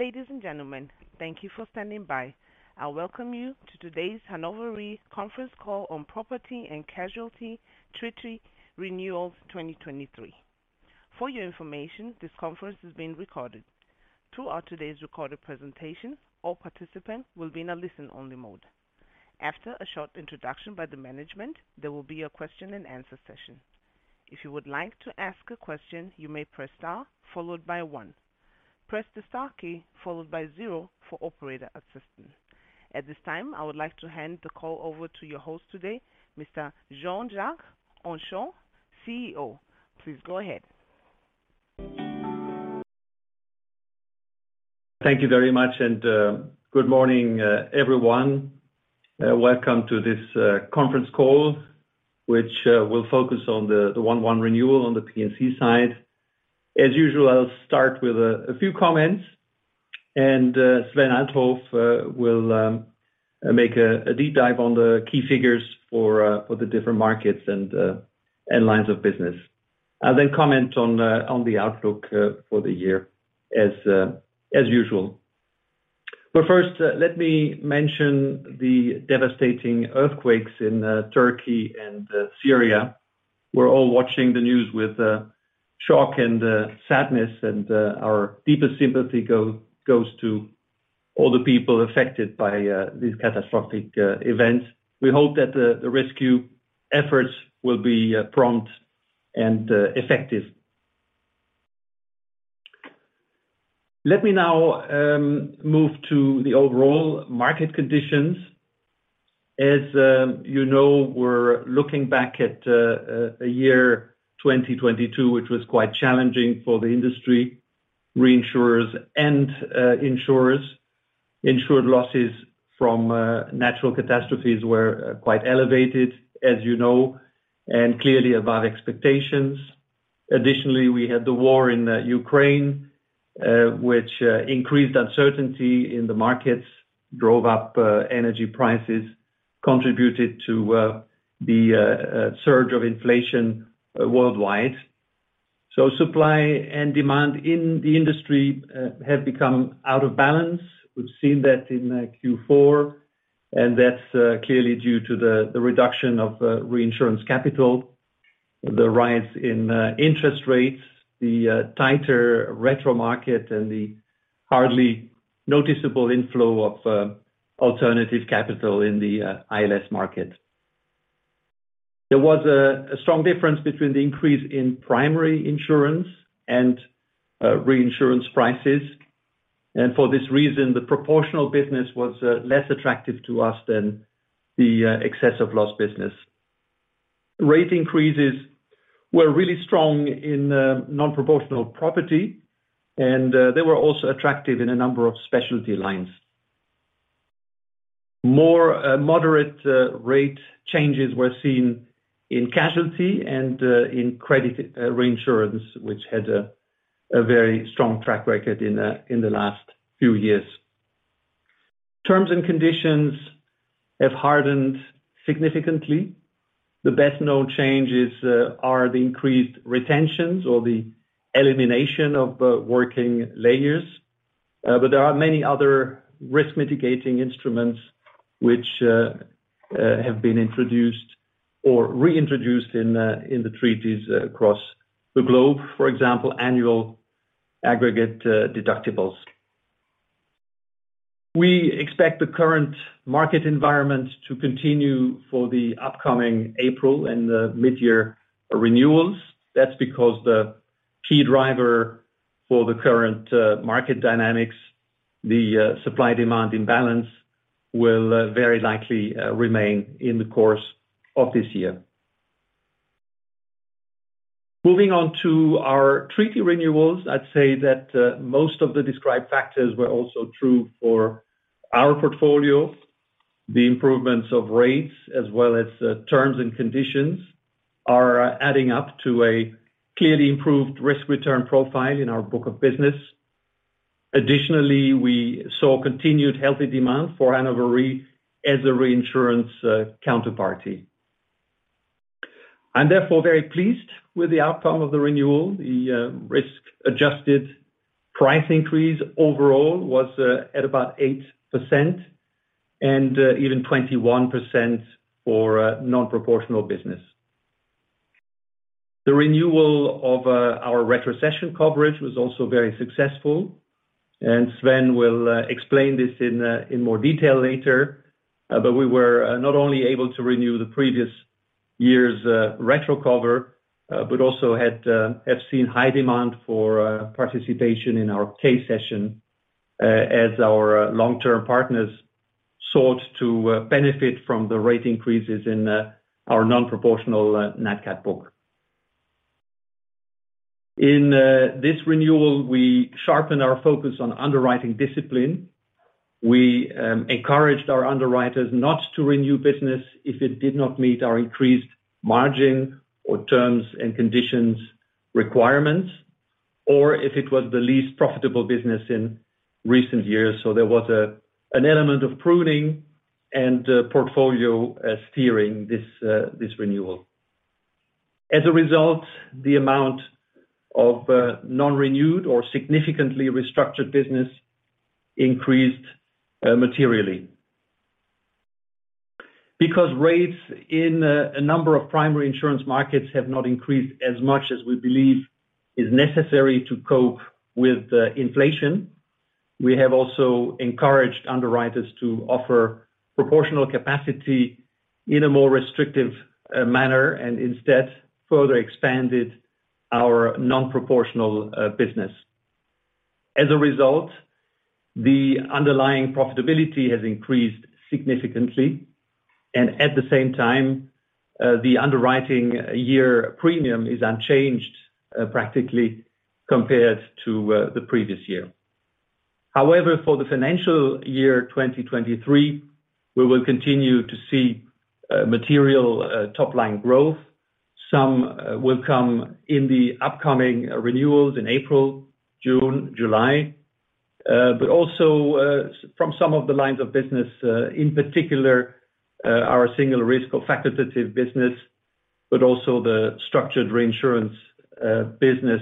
Ladies and gentlemen, thank you for standing by. I welcome you to today's Hannover Re conference call on Property and Casualty Treaty Renewals 2023. For your information, this conference is being recorded. Throughout today's recorded presentation, all participants will be in a listen-only mode. After a short introduction by the management, there will be a question and answer session. If you would like to ask a question, you may press star followed by one. Press the star key followed by zero for operator assistance. At this time, I would like to hand the call over to your host today, Mr. Jean-Jacques Henchoz, CEO. Please go ahead. Thank you very much and good morning, everyone. Welcome to this conference call, which will focus on the 1/1 renewal on the P&C side. As usual, I'll start with a few comments, and Sven Althoff will make a deep dive on the key figures for the different markets and lines of business. I'll then comment on the outlook for the year as usual. First, let me mention the devastating earthquakes in Turkey and Syria. We're all watching the news with shock and sadness, and our deepest sympathy goes to all the people affected by these catastrophic events. We hope that the rescue efforts will be prompt and effective. Let me now move to the overall market conditions. As you know, we're looking back at a year 2022, which was quite challenging for the industry, reinsurers and insurers. Insured losses from natural catastrophes were quite elevated, as you know, and clearly above expectations. Additionally, we had the war in Ukraine, which increased uncertainty in the markets, drove up energy prices, contributed to the surge of inflation worldwide. Supply and demand in the industry have become out of balance. We've seen that in Q4, and that's clearly due to the reduction of reinsurance capital, the rise in interest rates, the tighter retro market, and the hardly noticeable inflow of alternative capital in the ILS market. There was a strong difference between the increase in primary insurance and reinsurance prices. For this reason, the proportional business was less attractive to us than the excess of loss business. Rate increases were really strong in non-proportional property, and they were also attractive in a number of specialty lines. More moderate rate changes were seen in casualty and in credit reinsurance, which had a very strong track record in the last few years. Terms and conditions have hardened significantly. The best-known changes are the increased retentions or the elimination of working layers. There are many other risk mitigating instruments which have been introduced or reintroduced in the treaties across the globe, for example, annual aggregate deductibles. We expect the current market environment to continue for the upcoming April and the midyear renewals. That's because the key for the current market dynamics, the supply demand imbalance, will very likely remain in the course of this year. Moving on to our treaty renewals, I'd say that most of the described factors were also true for our portfolio. The improvements of rates as well as terms and conditions are adding up to a clearly improved risk-return profile in our book of business. Additionally, we saw continued healthy demand for Hannover Re as a reinsurance counterparty. I'm therefore very pleased with the outcome of the renewal. The risk-adjusted price increase overall was at about 8%, and even 21% for non-proportional business. The renewal of our retrocession coverage was also very successful. Sven will explain this in more detail later. We were not only able to renew the previous year's retro cover, but also have seen high demand for participation in our K-Cession as our long-term partners sought to benefit from the rate increases in our non-proportional nat cat book. In this renewal, we sharpened our focus on underwriting discipline. We encouraged our underwriters not to renew business if it did not meet our increased margin or terms and conditions requirements, or if it was the least profitable business in recent years. There was an element of pruning and portfolio steering this renewal. As a result, the amount of non-renewed or significantly restructured business increased materially. Because rates in a number of primary insurance markets have not increased as much as we believe is necessary to cope with inflation, we have also encouraged underwriters to offer proportional capacity in a more restrictive manner, and instead further expanded our non-proportional business. As a result, the underlying profitability has increased significantly, and at the same time, the underwriting year premium is unchanged practically compared to the previous year. For the financial year 2023, we will continue to see material top line growth. Some will come in the upcoming renewals in April, June, July. Also, from some of the lines of business, in particular, our single risk or facultative business, but also the structured reinsurance business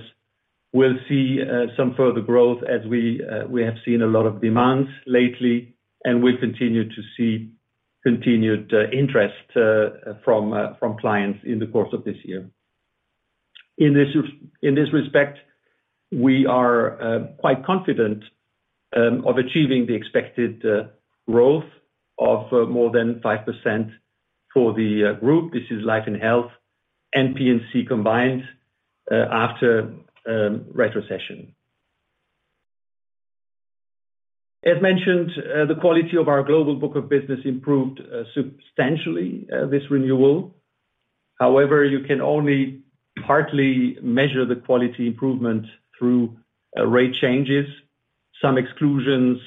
will see some further growth as we have seen a lot of demands lately, and we continue to see continued interest from clients in the course of this year. In this respect, we are quite confident of achieving the expected growth of more than 5% for the group. This is life and health, P&C combined, after retrocession. As mentioned, the quality of our global book of business improved substantially this renewal. However, you can only partly measure the quality improvement through rate changes. Some exclusions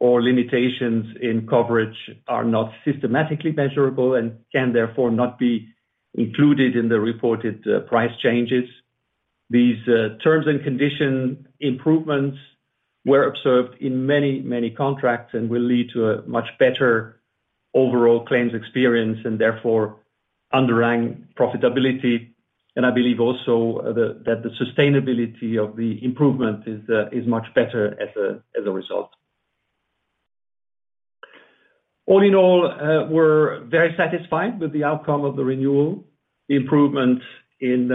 or limitations in coverage are not systematically measurable and can therefore not be included in the reported price changes. These terms and condition improvements were observed in many contracts and will lead to a much better overall claims experience and therefore underwriting profitability. I believe also that the sustainability of the improvement is much better as a result. All in all, we're very satisfied with the outcome of the renewal. The improvements in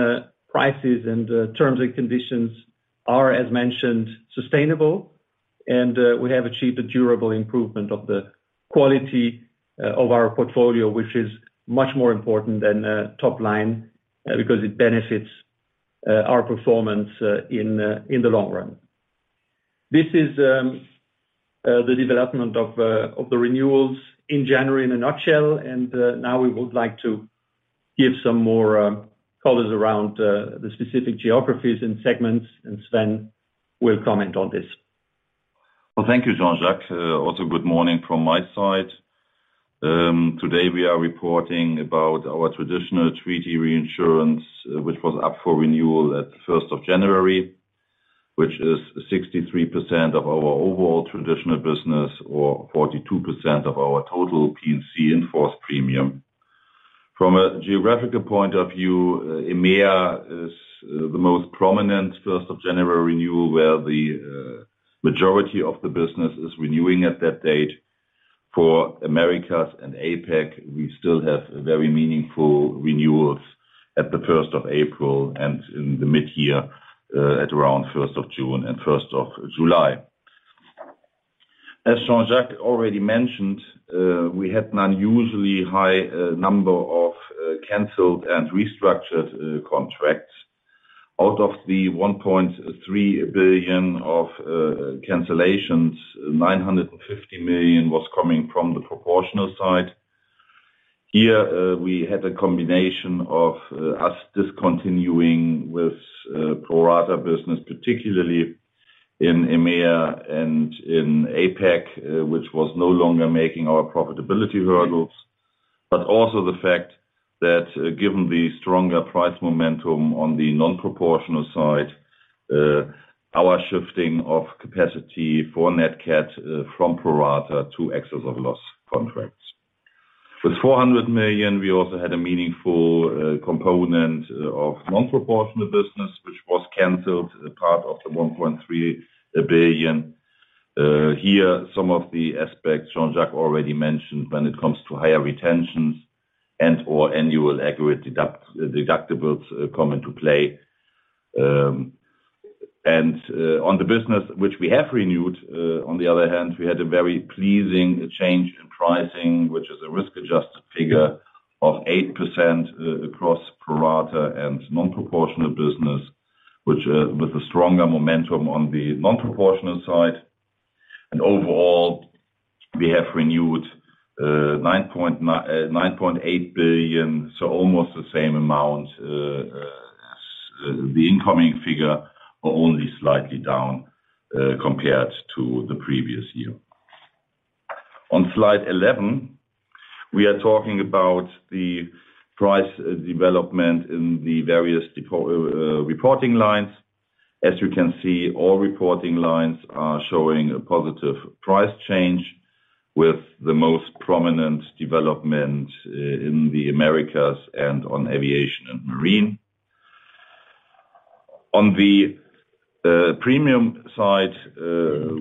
prices and terms and conditions are, as mentioned, sustainable, we have achieved a durable improvement of the quality of our portfolio, which is much more important than top line, because it benefits our performance in the long run. This is the development of the renewals in January in a nutshell, and now we would like to give some more colors around the specific geographies and segments, and Sven will comment on this. Well, thank you, Jean-Jacques. Also good morning from my side. Today we are reporting about our traditional treaty reinsurance, which was up for renewal at first of January, which is 63% of our overall traditional business or 42% of our total P&C in-force premium. From a geographical point of view, EMEA is the most prominent first of January renewal, where the majority of the business is renewing at that date. For Americas and APAC, we still have very meaningful renewals at the first of April and in the mid-year, at around first of June and first of July. As Jean-Jacques already mentioned, we had an unusually high number of canceled and restructured contracts. Out of the 1.3 billion of cancellations, 950 million was coming from the proportional side. Here, we had a combination of us discontinuing with pro rata business, particularly in EMEA and in APAC, which was no longer making our profitability verticals. Also the fact that, given the stronger price momentum on the non-proportional side, our shifting of capacity for nat cat from pro rata to excess of loss contracts. With 400 million, we also had a meaningful component of non-proportional business, which was canceled as part of the 1.3 billion. Here, some of the aspects Jean-Jacques already mentioned when it comes to higher retentions and or annual aggregate deductibles come into play. On the business which we have renewed, on the other hand, we had a very pleasing change in pricing, which is a risk-adjusted figure of 8% across pro rata and non-proportional business, with a stronger momentum on the non-proportional side. Overall, we have renewed 9.8 billion, so almost the same amount as the incoming figure, only slightly down compared to the previous year. On slide 11, we are talking about the price development in the various reporting lines. As you can see, all reporting lines are showing a positive price change, with the most prominent development in the Americas and on aviation and marine. On the premium side,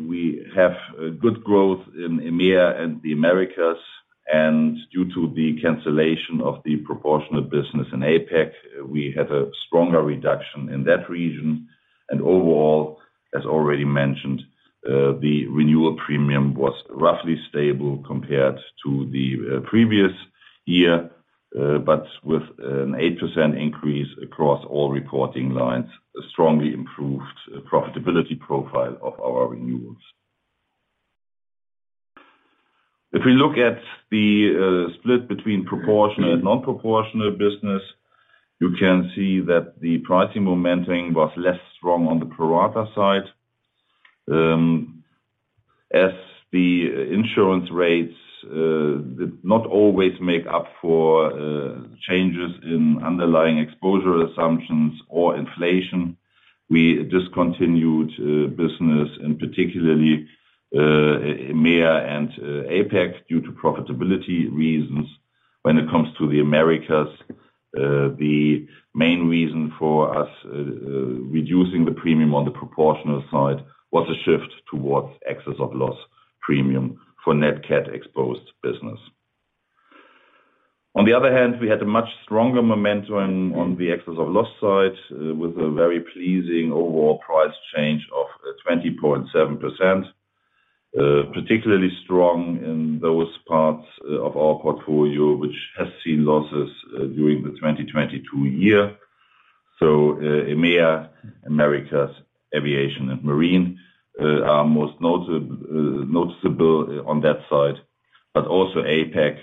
we have good growth in EMEA and the Americas, and due to the cancellation of the proportional business in APAC, we have a stronger reduction in that region. Overall, as already mentioned, the renewal premium was roughly stable compared to the previous year, but with an 8% increase across all reporting lines, a strongly improved profitability profile of our renewals. If we look at the split between proportional and non-proportional business, you can see that the pricing momentum was less strong on the pro-rata side. As the insurance rates not always make up for changes in underlying exposure assumptions or inflation, we discontinued business in particularly EMEA and APAC due to profitability reasons. When it comes to the Americas, the main reason for us reducing the premium on the proportional side was a shift towards excess of loss premium for nat cat-exposed business. We had a much stronger momentum on the excess of loss side with a very pleasing overall price change of 20.7%, particularly strong in those parts of our portfolio which has seen losses during the 2022 year. EMEA, Americas, Aviation and Marine are most noticeable on that side, but also APAC,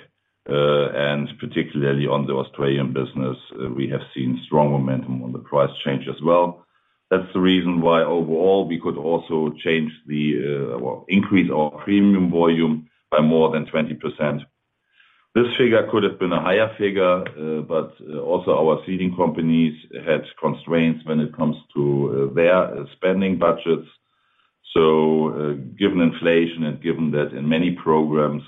and particularly on the Australian business, we have seen strong momentum on the price change as well. That's the reason why overall we could also change the, well, increase our premium volume by more than 20%. This figure could have been a higher figure, also our ceding companies had constraints when it comes to their spending budgets. Given inflation and given that in many programs,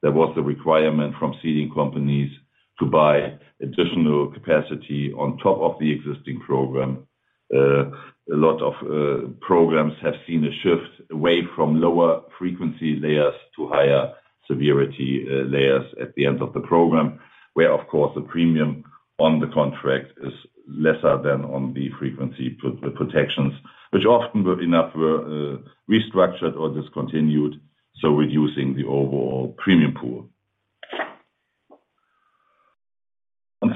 there was the requirement from ceding companies to buy additional capacity on top of the existing program. A lot of programs have seen a shift away from lower frequency layers to higher severity layers at the end of the program, where of course, the premium on the contract is lesser than on the frequency protections, which often were enough restructured or discontinued, so reducing the overall premium pool.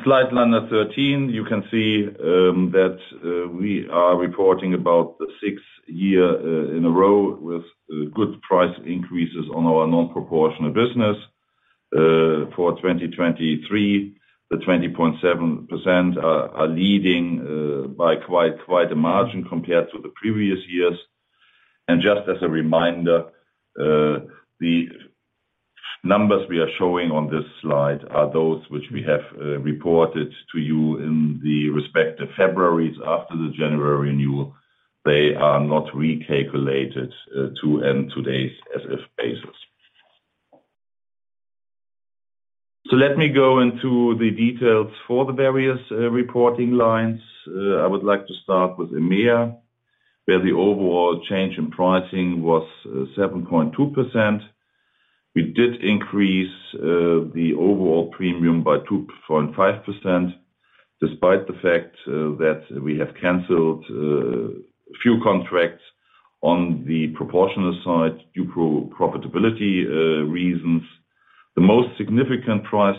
On slide number 13, you can see that we are reporting about the sixth year in a row with good price increases on our non-proportional business. For 2023, the 20.7% are leading quite a margin compared to the previous years. Just as a reminder, the numbers we are showing on this slide are those which we have reported to you in the respective Februaries after the January renewal. They are not recalculated to end today's as if basis. Let me go into the details for the various reporting lines. I would like to start with EMEA, where the overall change in pricing was 7.2%. We did increase the overall premium by 2.5%, despite the fact that we have canceled a few contracts on the proportional side due to profitability reasons. The most significant price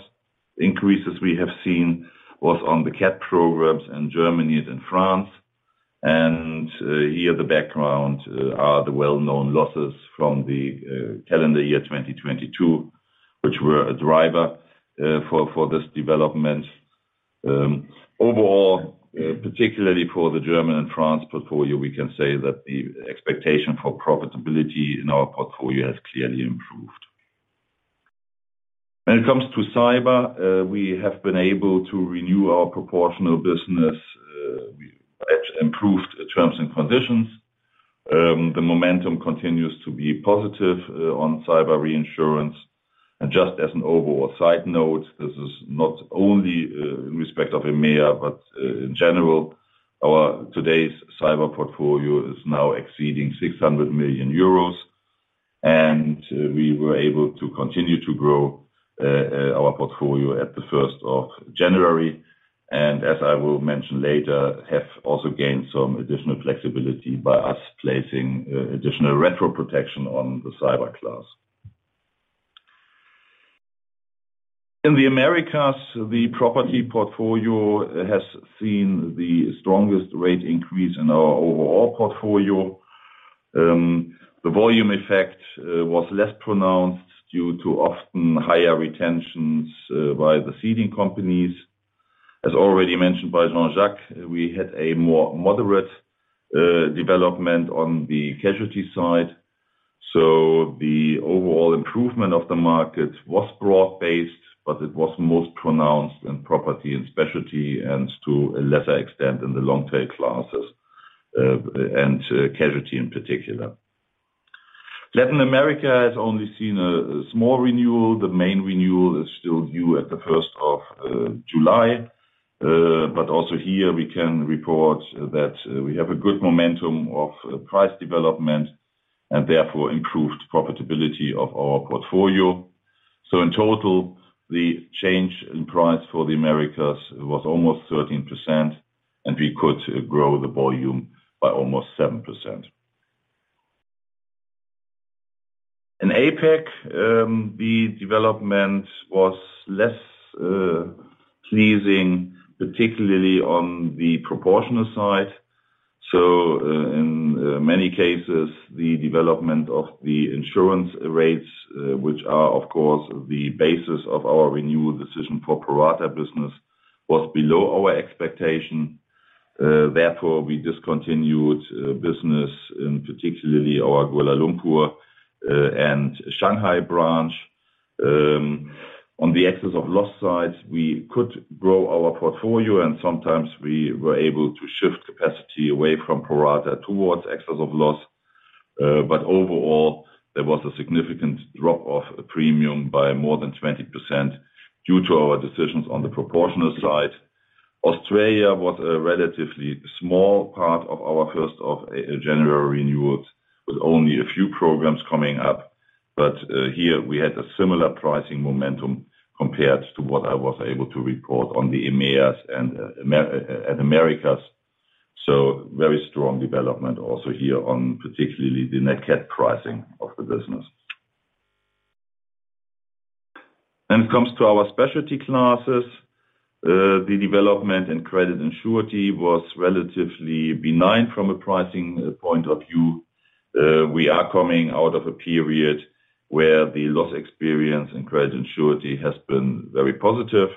increases we have seen was on the cat programs in Germany and France. Here the background are the well-known losses from the calendar year 2022, which were a driver for this development. Overall, particularly for the German and France portfolio, we can say that the expectation for profitability in our portfolio has clearly improved. When it comes to cyber, we have been able to renew our proportional business at improved terms and conditions. The momentum continues to be positive on cyber reinsurance. Just as an overall side note, this is not only in respect of EMEA, but in general, our today's cyber portfolio is now exceeding 600 million euros, and we were able to continue to grow our portfolio at the 1st of January. As I will mention later, have also gained some additional flexibility by us placing additional retro protection on the cyber class. In the Americas, the property portfolio has seen the strongest rate increase in our overall portfolio. The volume effect was less pronounced due to often higher retentions by the ceding companies. As already mentioned by Jean-Jacques, we had a more moderate development on the casualty side. The overall improvement of the market was broad-based, but it was most pronounced in property and specialty and to a lesser extent in the long tail classes and casualty in particular. Latin America has only seen a small renewal. The main renewal is still due at the 1st of July. But also here we can report that we have a good momentum of price development and therefore improved profitability of our portfolio. In total, the change in price for the Americas was almost 13%, and we could grow the volume by almost 7%. In APAC, the development was less pleasing, particularly on the proportional side. In many cases, the development of the insurance rates, which are of course, the basis of our renewal decision for pro rata business, was below our expectation. Therefore, we discontinued business in particularly our Kuala Lumpur and Shanghai branch. On the excess of loss side, we could grow our portfolio, and sometimes we were able to shift capacity away from pro rata towards excess of loss. Overall, there was a significant drop of premium by more than 20% due to our decisions on the proportional side. Australia was a relatively small part of our first of January renewals, with only a few programs coming up. Here we had a similar pricing momentum compared to what I was able to report on the EMEA and Americas. Very strong development also here on particularly the nat cat pricing of the business. When it comes to our specialty classes, the development in credit and surety was relatively benign from a pricing point of view. We are coming out of a period where the loss experience in credit and surety has been very positive.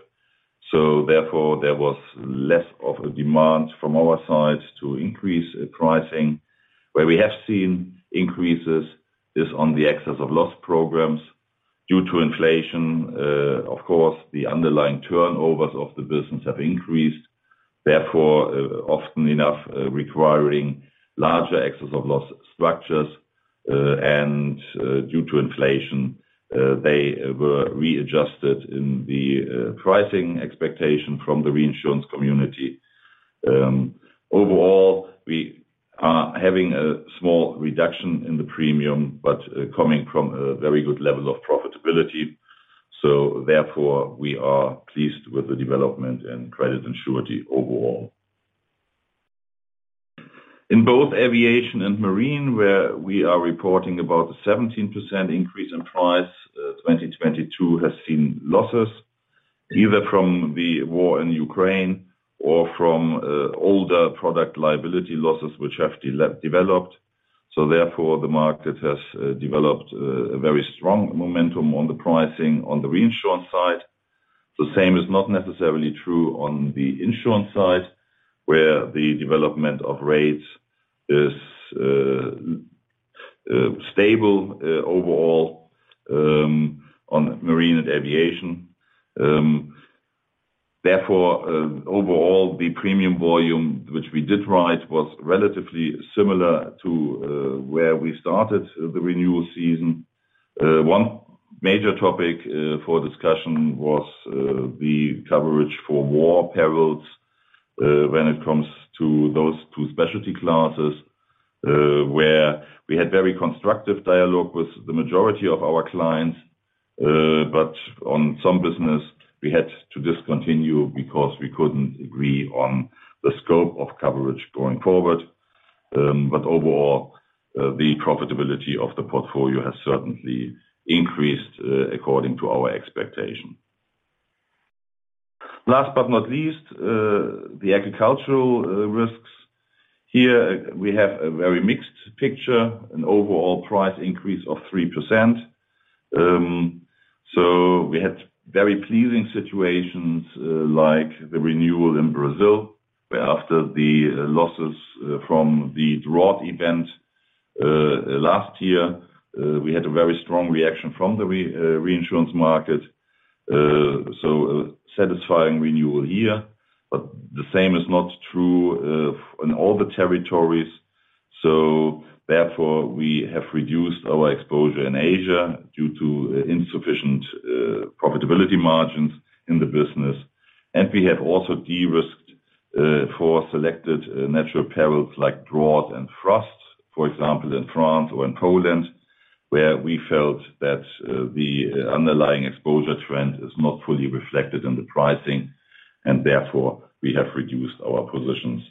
Therefore, there was less of a demand from our side to increase pricing. Where we have seen increases is on the excess of loss programs due to inflation. Of course, the underlying turnovers of the business have increased, therefore, often enough requiring larger excess of loss structures. Due to inflation, they were readjusted in the pricing expectation from the reinsurance community. Overall, we are having a small reduction in the premium, coming from a very good level of profitability. Therefore, we are pleased with the development in credit and surety overall. In both aviation and marine, where we are reporting about a 17% increase in price, 2022 has seen losses, either from the war in Ukraine or from older product liability losses which have developed. Therefore, the market has developed a very strong momentum on the pricing on the reinsurance side. The same is not necessarily true on the insurance side, where the development of rates is stable overall on marine and aviation. Overall, the premium volume, which we did write, was relatively similar to where we started the renewal season. One major topic for discussion was the coverage for war perils when it comes to those two specialty classes, where we had very constructive dialogue with the majority of our clients. On some business, we had to discontinue because we couldn't agree on the scope of coverage going forward. Overall, the profitability of the portfolio has certainly increased according to our expectation. Last but not least, the agricultural risks. Here we have a very mixed picture, an overall price increase of 3%. We had very pleasing situations, like the renewal in Brazil, where after the losses from the drought event, last year, we had a very strong reaction from the reinsurance market. A satisfying renewal here, but the same is not true in all the territories. Therefore, we have reduced our exposure in Asia due to insufficient profitability margins in the business. We have also de-risked for selected natural perils like drought and frost, for example, in France or in Poland, where we felt that the underlying exposure trend is not fully reflected in the pricing, and therefore we have reduced our positions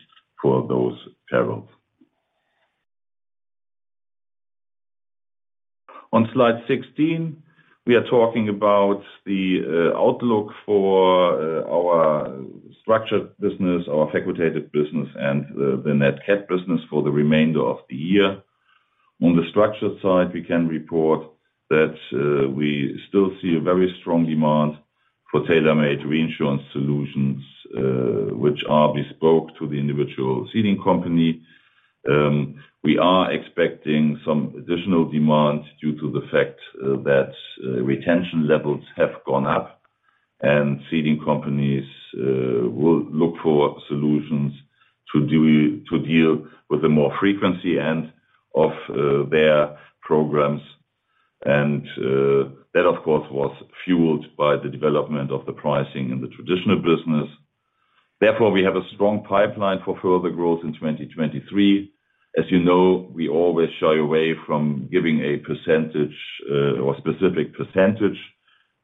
for those perils. On slide 16, we are talking about the outlook for our structured business, our facultative business, and the nat cat business for the remainder of the year. On the structured side, we can report that we still see a very strong demand for tailor-made reinsurance solutions, which are bespoke to the individual ceding company, we are expecting some additional demand due to the fact that retention levels have gone up and ceding companies will look for solutions to deal with the more frequency end of their programs. That, of course, was fueled by the development of the pricing in the traditional business. Therefore, we have a strong pipeline for further growth in 2023. As you know, we always shy away from giving a percentage, or specific percentage,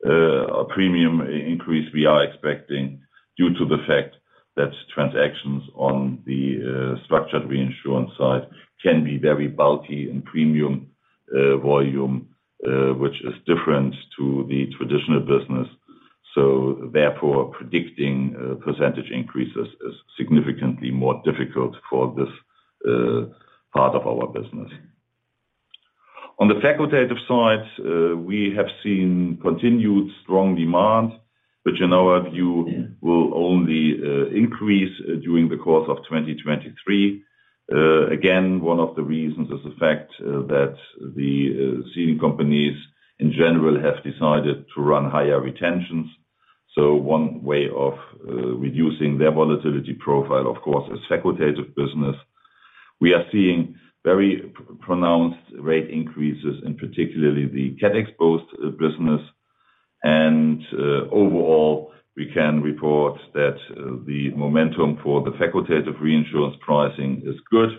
premium increase we are expecting due to the fact that transactions on the structured reinsurance side can be very bulky in premium volume, which is different to the traditional business. Therefore, predicting percentage increases is significantly more difficult for this part of our business. On the facultative side, we have seen continued strong demand, which in our view will only increase during the course of 2023. Again, one of the reasons is the fact that the ceding companies in general have decided to run higher retentions. One way of reducing their volatility profile, of course, is facultative business. We are seeing very pronounced rate increases in particularly the cat exposed business. Overall, we can report that the momentum for the facultative reinsurance pricing is good.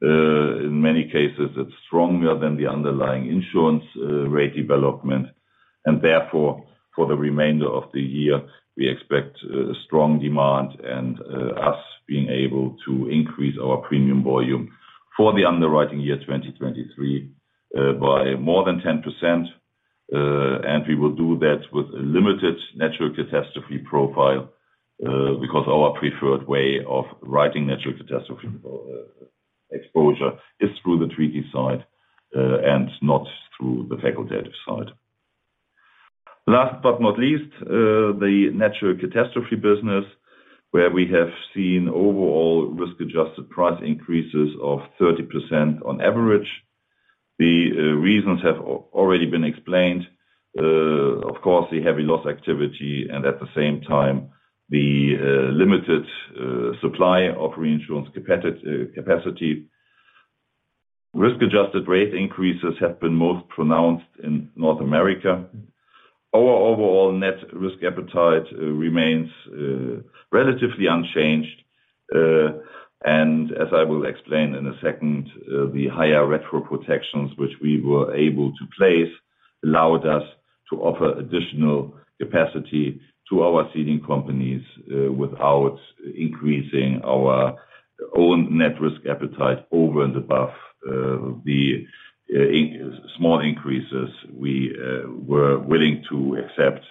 In many cases, it's stronger than the underlying insurance rate development, and therefore, for the remainder of the year, we expect strong demand and us being able to increase our premium volume for the underwriting year 2023 by more than 10%. We will do that with a limited natural catastrophe profile because our preferred way of writing natural catastrophe exposure is through the treaty side and not through the facultative side. Last but not least, the natural catastrophe business, where we have seen overall risk adjusted price increases of 30% on average. The reasons have already been explained. Of course, the heavy loss activity and at the same time, the limited supply of reinsurance capacity. Risk adjusted rate increases have been most pronounced in North America. Our overall net risk appetite remains relatively unchanged. As I will explain in a second, the higher retro protections which we were able to place allowed us to offer additional capacity to our ceding companies without increasing our own net risk appetite over and above the in-small increases we were willing to accept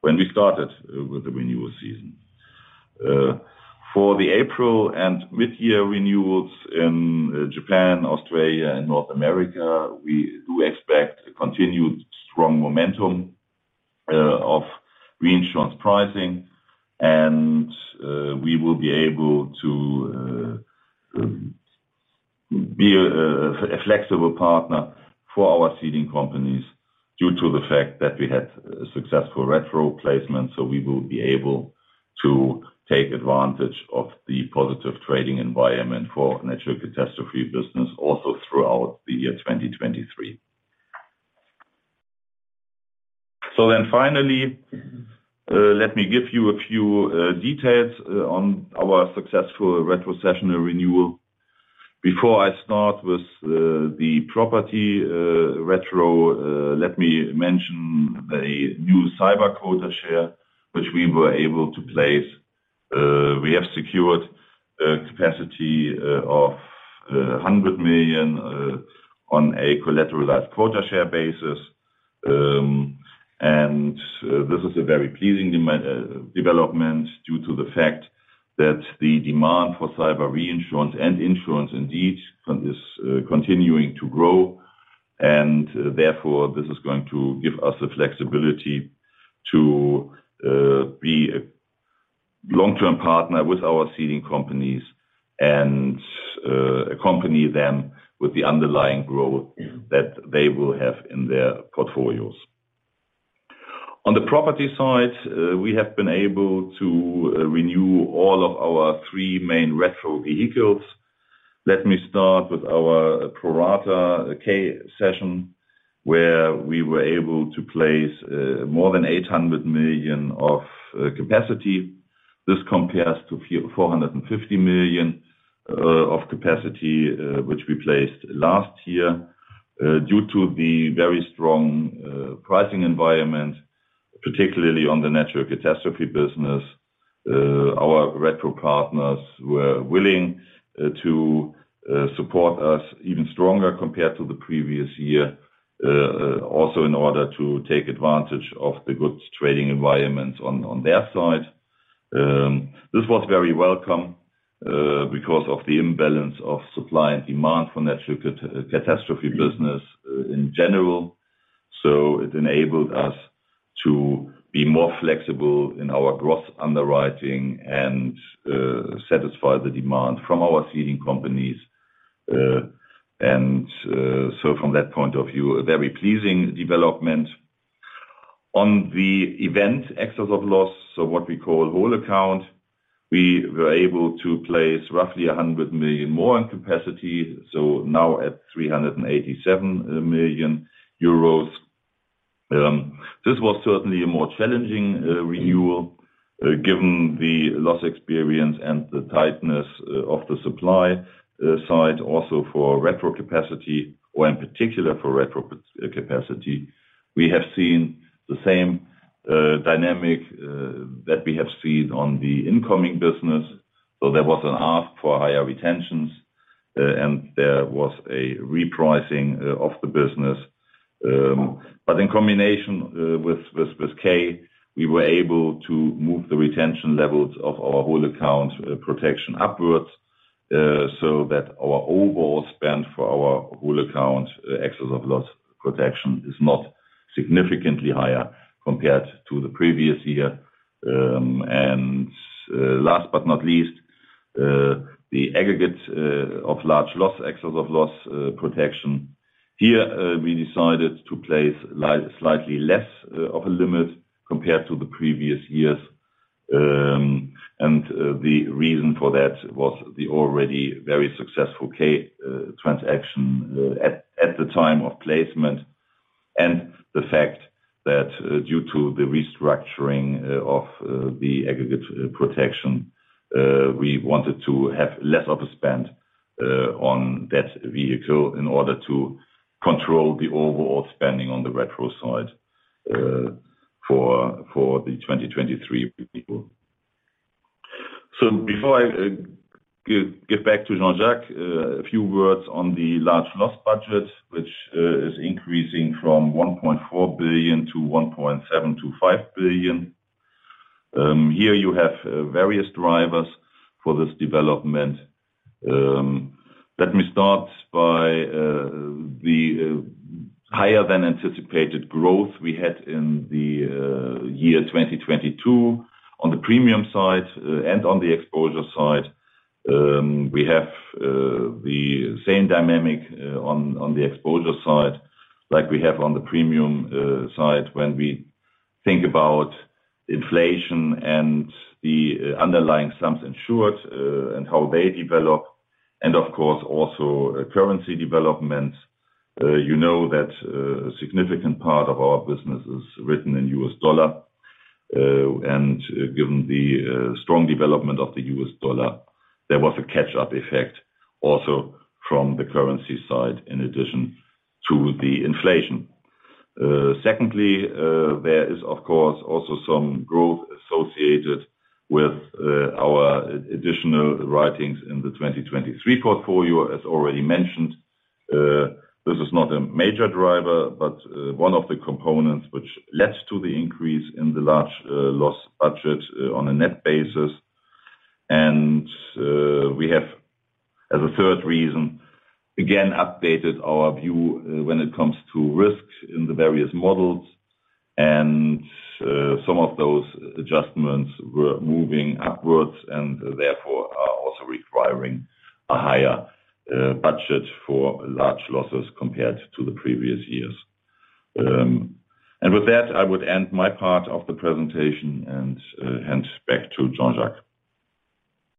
when we started with the renewal season. For the April and mid-year renewals in Japan, Australia, and North America, we do expect continued strong momentum of reinsurance pricing, and we will be able to be a flexible partner for our ceding companies due to the fact that we had a successful retro placement. We will be able to take advantage of the positive trading environment for natural catastrophe business also throughout the year 2023. Finally, let me give you a few details on our successful retrocession renewal. Before I start with the property retro, let me mention the new cyber quota share, which we were able to place. We have secured capacity of 100 million on a collateralized quota share basis. This is a very pleasing development due to the fact that the demand for cyber reinsurance and insurance indeed is continuing to grow, therefore, this is going to give us the flexibility to be a long-term partner with our ceding companies and accompany them with the underlying growth that they will have in their portfolios. On the property side, we have been able to renew all of our three main retro vehicles. Let me start with our pro rata cession, where we were able to place more than 800 million of capacity. This compares to 450 million of capacity, which we placed last year. Due to the very strong pricing environment, particularly on the natural catastrophe business, our retro partners were willing to support us even stronger compared to the previous year, also in order to take advantage of the good trading environment on their side. This was very welcome because of the imbalance of supply and demand for natural catastrophe business in general. It enabled us to be more flexible in our growth underwriting and satisfy the demand from our ceding companies. From that point of view, a very pleasing development. On the event excess of loss, so what we call whole account, we were able to place roughly 100 million more in capacity, now at 387 million euros. This was certainly a more challenging renewal, given the loss experience and the tightness of the supply side also for retro capacity, in particular for retro capacity. We have seen the same dynamic that we have seen on the incoming business. There was an ask for higher retentions, and there was a repricing of the business. In combination with K-Cessions, we were able to move the retention levels of our whole account protection upwards, so that our overall spend for our whole account excess of loss protection is not significantly higher compared to the previous year. Last but not least, the aggregates of large loss, excess of loss protection. Here, we decided to place slightly less of a limit compared to the previous years. The reason for that was the already very successful K-Cessions transaction at the time of placement. The fact that, due to the restructuring of the aggregate protection, we wanted to have less of a spend on that vehicle in order to control the overall spending on the retro side for the 2023 period. Before I give back to Jean-Jacques, a few words on the large loss budget, which is increasing from 1.4 billion-1.725 billion. Here you have various drivers for this development. Let me start by the higher than anticipated growth we had in the year 2022 on the premium side and on the exposure side. We have the same dynamic on the exposure side like we have on the premium side when we think about inflation and the underlying sums insured and how they develop. Of course, also currency development. You know that a significant part of our business is written in U.S. dollar. Given the strong development of the U.S. dollar, there was a catch-up effect also from the currency side in addition to the inflation. Secondly, there is of course also some growth associated with our additional writings in the 2023 portfolio. As already mentioned, this is not a major driver, but one of the components which led to the increase in the large loss budget on a net basis. We have, as a third reason, again, updated our view when it comes to risks in the various models. Some of those adjustments were moving upwards and therefore are also requiring a higher budget for large losses compared to the previous years. With that, I would end my part of the presentation and hand back to Jean-Jacques.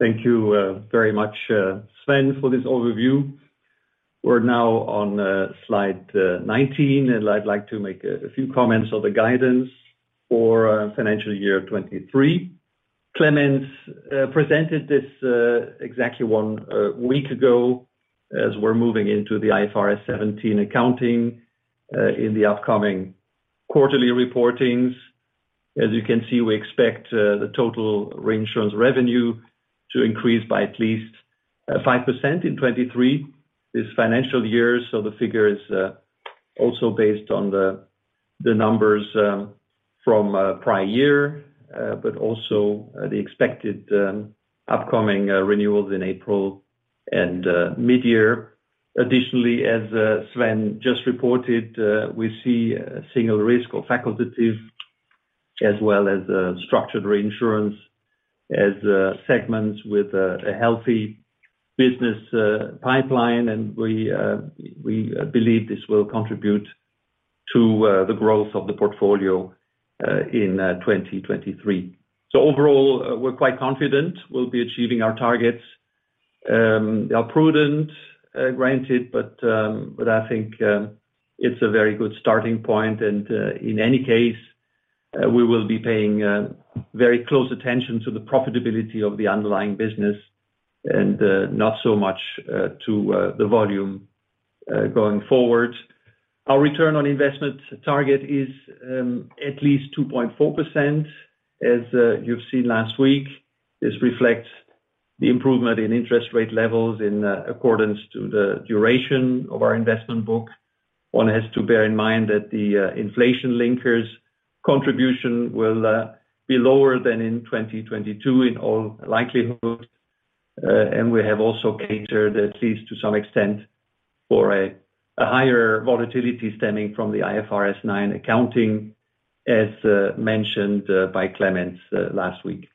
Thank you very much, Sven, for this overview. We're now on slide 19, and I'd like to make a few comments on the guidance for financial year 2023. Clemens presented this exactly one week ago as we're moving into the IFRS 17 accounting in the upcoming quarterly reportings. As you can see, we expect the total reinsurance revenue to increase by at least 5% in 2023. This financial year, so the figure is also based on the numbers from prior year, but also the expected upcoming renewals in April and mid-year. Additionally, as Sven just reported, we see single risk or facultative as well as structured reinsurance as segments with a healthy business pipeline. We believe this will contribute to the growth of the portfolio in 2023. Overall, we're quite confident we'll be achieving our targets. They are prudent, granted, but I think it's a very good starting point. In any case, we will be paying very close attention to the profitability of the underlying business and not so much to the volume going forward. Our ROI target is at least 2.4%, as you've seen last week. This reflects the improvement in interest rate levels in accordance to the duration of our investment book. One has to bear in mind that the inflation linkers contribution will be lower than in 2022 in all likelihood. We have also catered, at least to some extent, for a higher volatility stemming from the IFRS 9 accounting, as mentioned by Clemens last week.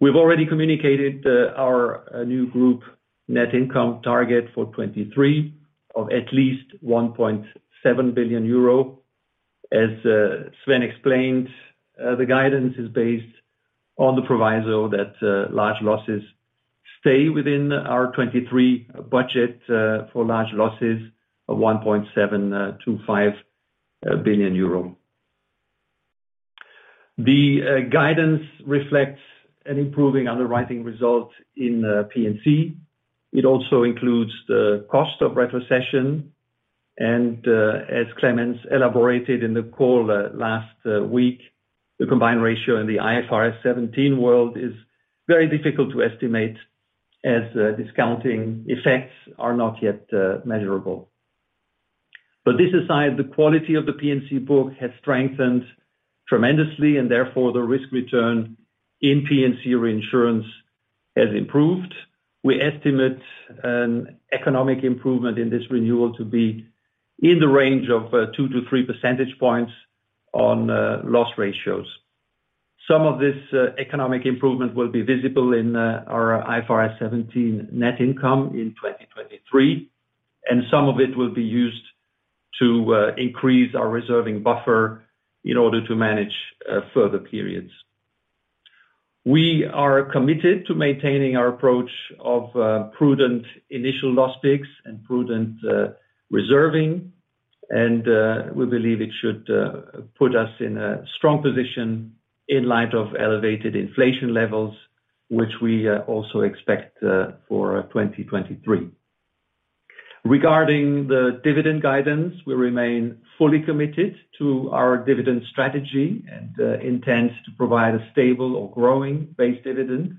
We've already communicated our new group net income target for 2023 of at least 1.7 billion euro. As Sven explained, the guidance is based on the proviso that large losses stay within our 2023 budget for large losses of 1.725 billion euro. The guidance reflects an improving underwriting result in P&C. It also includes the cost of retrocession. As Clemens elaborated in the call last week, the combined ratio in the IFRS 17 world is very difficult to estimate, as discounting effects are not yet measurable. This aside, the quality of the P&C book has strengthened tremendously, and therefore the risk return in P&C reinsurance has improved. We estimate an economic improvement in this renewal to be in the range of 2-3 percentage points on loss ratios. Some of this economic improvement will be visible in our IFRS 17 net income in 2023, and some of it will be used to increase our reserving buffer in order to manage further periods. We are committed to maintaining our approach of prudent initial loss picks and prudent reserving. We believe it should put us in a strong position in light of elevated inflation levels, which we also expect for 2023. Regarding the dividend guidance, we remain fully committed to our dividend strategy and intends to provide a stable or growing base dividend.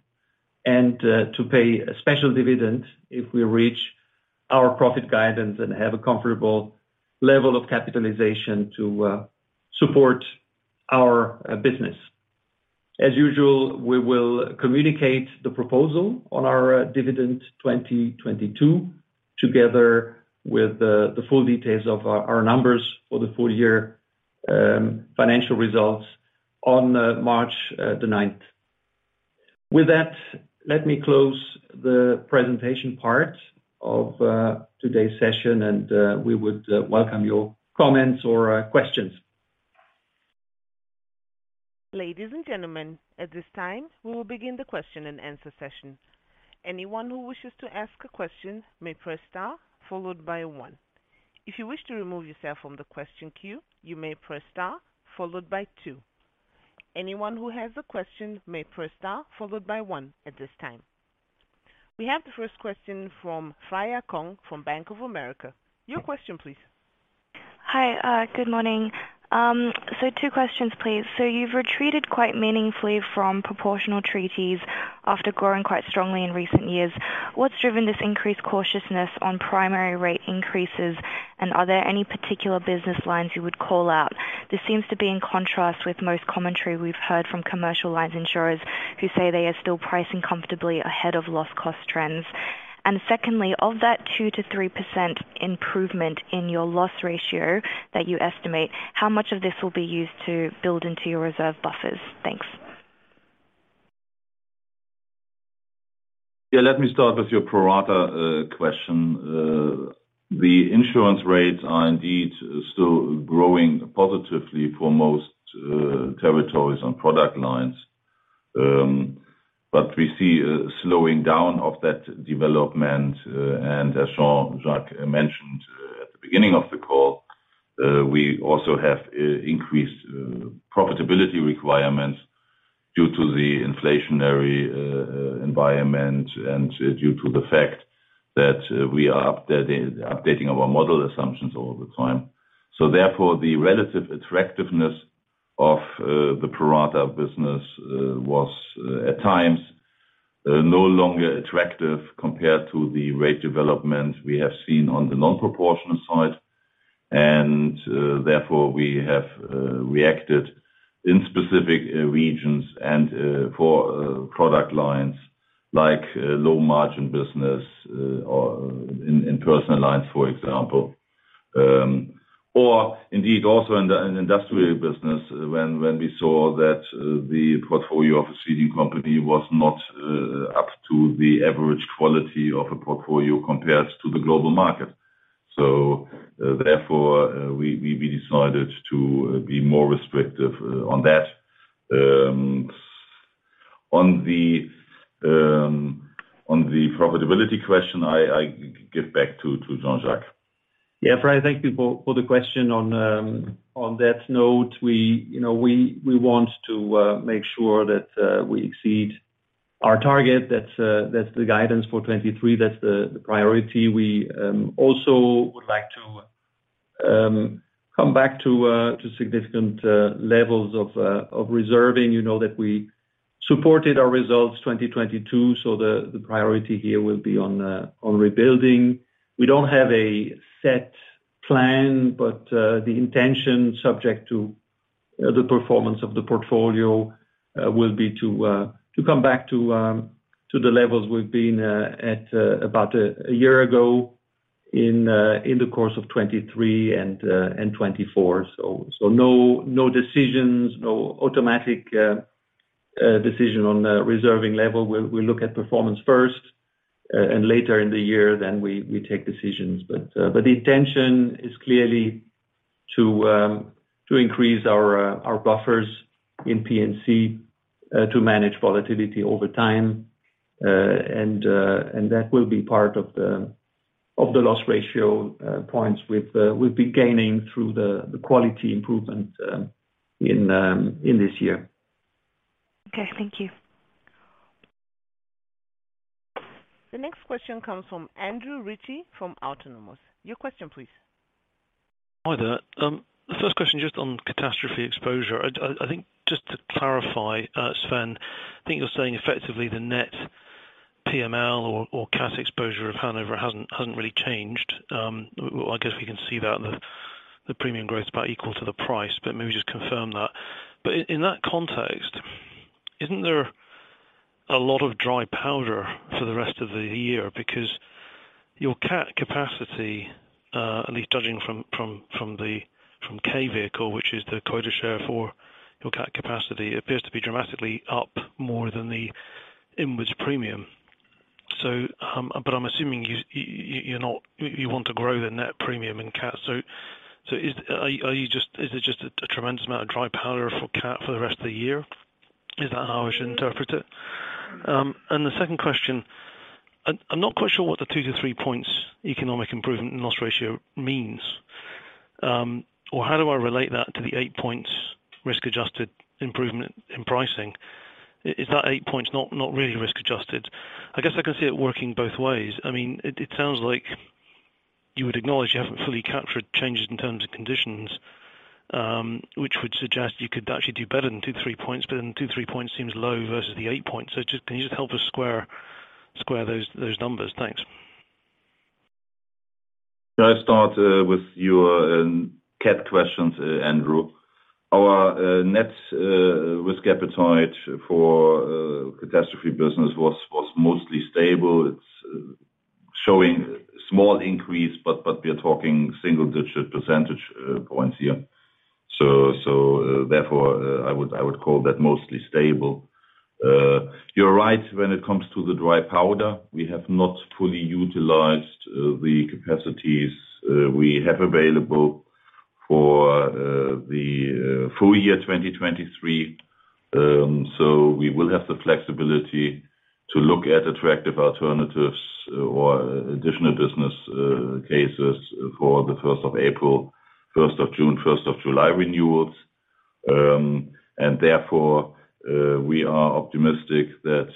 To pay a special dividend if we reach our profit guidance and have a comfortable level of capitalization to support our business. As usual, we will communicate the proposal on our dividend 2022, together with the full details of our numbers for the full year financial results on March the 9th. With that, let me close the presentation part of today's session, and we would welcome your comments or questions. Ladies and gentlemen, at this time, we will begin the question and answer session. Anyone who wishes to ask a question may press star followed by one. If you wish to remove yourself from the question queue, you may press star followed by two. Anyone who has a question may press star followed by one at this time. We have the first question from Freya Kong from Bank of America. Your question please. Hi. Good morning. Two questions, please. You've retreated quite meaningfully from proportional treaties after growing quite strongly in recent years. What's driven this increased cautiousness on primary rate increases, and are there any particular business lines you would call out? This seems to be in contrast with most commentary we've heard from commercial lines insurers who say they are still pricing comfortably ahead of loss cost trends. Secondly, of that 2%-3% improvement in your loss ratio that you estimate, how much of this will be used to build into your reserve buffers? Thanks. Yeah, let me start with your pro rata question. The insurance rates are indeed still growing positively for most territories and product lines. We see a slowing down of that development. As Jean-Jacques mentioned at the beginning of the call, we also have increased profitability requirements due to the inflationary environment and due to the fact that we are updating our model assumptions over time. Therefore, the relative attractiveness of the pro rata business was at times no longer attractive compared to the rate development we have seen on the non-proportional side. Therefore, we have reacted in specific regions and for product lines like low margin business or in personal lines, for example. Indeed also in the industrial business, when we saw that the portfolio of a ceding company was not up to the average quality of a portfolio compared to the global market. Therefore, we decided to be more restrictive on that. On the profitability question, I give back to Jean-Jacques. Freya, thank you for the question. On that note, we, you know, we want to make sure that we exceed our target. That's the guidance for 23. That's the priority. We also would like to come back to significant levels of reserving. You know that we supported our results 2022, the priority here will be on rebuilding. We don't have a set plan, the intention, subject to the performance of the portfolio, will be to come back to the levels we've been at about a year ago in the course of 2023 and 2024. No decisions, no automatic decision on the reserving level. We look at performance first, later in the year, we take decisions. The intention is clearly to increase our buffers in P&C to manage volatility over time. That will be part of the, of the loss ratio, points with, we'll be gaining through the quality improvement, in this year. Okay, thank you. The next question comes from Andrew Ritchie from Autonomous. Your question please. Hi there. First question just on catastrophe exposure. I think just to clarify, Sven, I think you're saying effectively the net PML or cat exposure of Hannover hasn't really changed. Well, I guess we can see that in the premium growth is about equal to the price, but maybe just confirm that. In that context, isn't there a lot of dry powder for the rest of the year? Because your cat capacity, at least judging from the K-Cessions, which is the quota share for your cat capacity, appears to be dramatically up more than the inwards premium. I'm assuming you want to grow the net premium in cat. Is... Is it just a tremendous amount of dry powder for cat for the rest of the year? Is that how I should interpret it? The second question, I'm not quite sure what the 2-3 points economic improvement in loss ratio means. How do I relate that to the eight points risk-adjusted improvement in pricing? Is that eight points not really risk-adjusted? I guess I can see it working both ways. I mean, it sounds like you would acknowledge you haven't fully captured changes in terms and conditions, which would suggest you could actually do better than 2-3 points, 2-3 points seems low versus the eight points. Just can you just help us square those numbers? Thanks. Can I start with your cat questions, Andrew. Our net risk appetite for catastrophe business was mostly stable. It's showing small increase, we are talking single digit percentage points here. Therefore, I would call that mostly stable. You're right when it comes to the dry powder. We have not fully utilized the capacities we have available for the full year 2023. We will have the flexibility to look at attractive alternatives or additional business cases for the first of April, first of June, first of July renewals. Therefore, we are optimistic that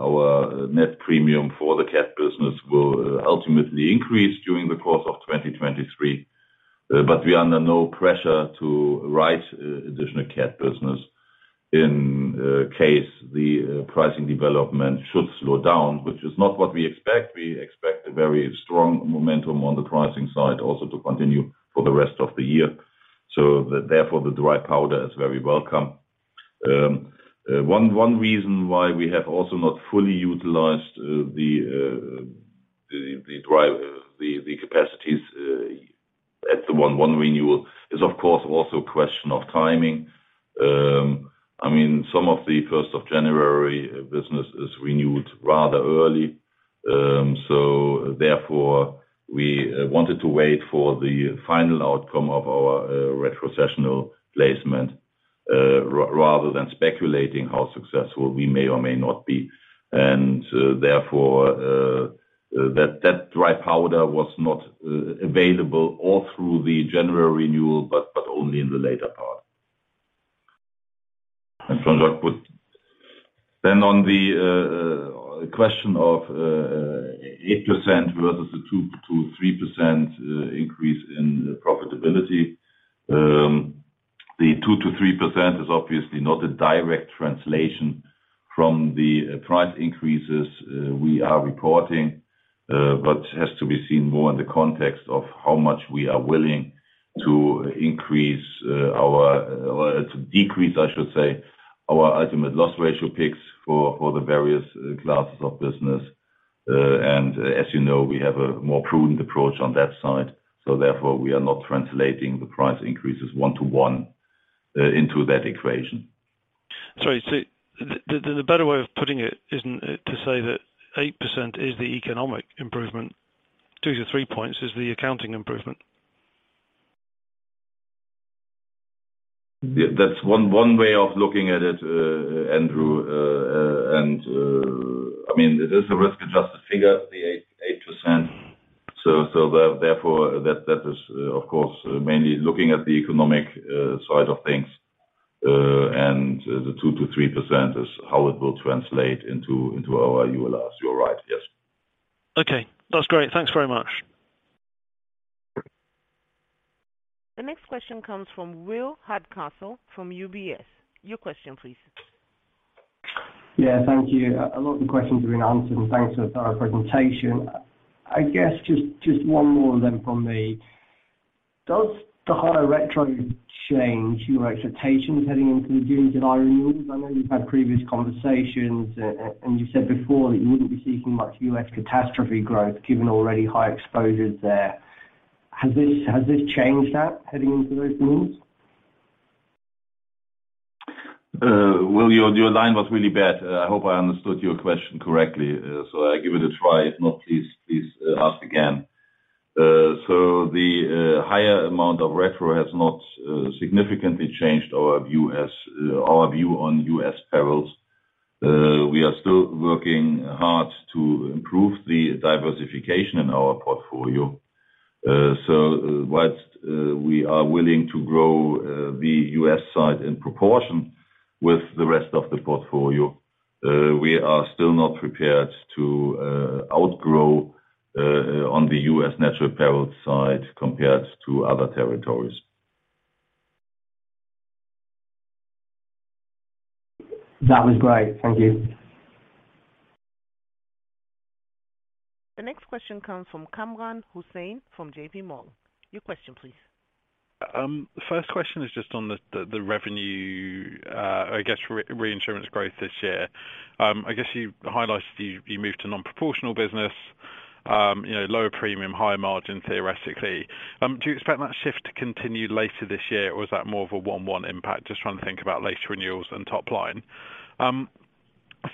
our net premium for the cat business will ultimately increase during the course of 2023. We are under no pressure to write additional cat business in case the pricing development should slow down, which is not what we expect. We expect a very strong momentum on the pricing side also to continue for the rest of the year. Therefore, the dry powder is very welcome. One reason why we have also not fully utilized the capacities at the 1/1 renewal is of course also a question of timing. I mean, some of the 1st of January business is renewed rather early. Therefore, we wanted to wait for the final outcome of our retrocessional placement rather than speculating how successful we may or may not be. Therefore, that dry powder was not available all through the January renewal, but only in the later part. Then on the question of 8% versus the 2%-3% increase in profitability. The 2%-3% is obviously not a direct translation from the price increases we are reporting. Has to be seen more in the context of how much we are willing to increase our to decrease, I should say, our ultimate loss ratio picks for the various classes of business. As you know, we have a more prudent approach on that side, so therefore, we are not translating the price increases one to one into that equation. Sorry. the better way of putting it isn't, to say that 8% is the economic improvement, 2-3 points is the accounting improvement. Yeah. That's one way of looking at it, Andrew. I mean, it is a risk-adjusted figure, the 8%. Therefore, that is, of course, mainly looking at the economic side of things. The 2%-3% is how it will translate into our ULRs. You're right, yes. Okay, that's great. Thanks very much. The next question comes from Will Hardcastle from UBS. Your question please. Yeah, thank you. A lot of the questions have been answered, and thanks for a thorough presentation. I guess just one more then from me. Does the higher retro change your expectations heading into the June renewal? I know we've had previous conversations, and you said before that you wouldn't be seeking much U.S. catastrophe growth given already high exposures there. Has this changed that heading into those renewals? Will, your line was really bad. I hope I understood your question correctly. I give it a try. If not, please ask again. The higher amount of retro has not significantly changed our view as our view on U.S. perils. We are still working hard to improve the diversification in our portfolio. Whilst we are willing to grow the U.S. side in proportion with the rest of the portfolio, we are still not prepared to outgrow on the U.S. natural peril side compared to other territories. That was great. Thank you. The next question comes from Kamran Hossain from JPMorgan. Your question please. The first question is just on the reinsurance growth this year. I guess you highlighted you moved to non-proportional business, you know, lower premium, higher margin, theoretically. Do you expect that shift to continue later this year, or is that more of a one impact? Just trying to think about later renewals and top line.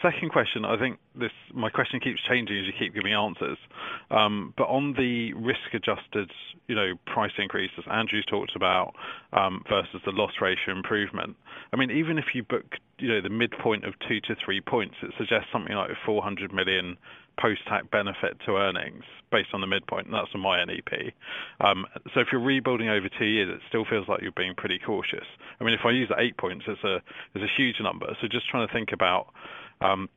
Second question, I think my question keeps changing as you keep giving me answers. On the risk adjusted, you know, price increases Andrew's talked about, versus the loss ratio improvement. I mean, even if you book, you know, the midpoint of 2-3 points, it suggests something like 400 million post-tax benefit to earnings based on the midpoint, and that's on my NEP. If you're rebuilding over two years, it still feels like you're being pretty cautious. I mean, if I use the eight points, it's a huge number. just trying to think about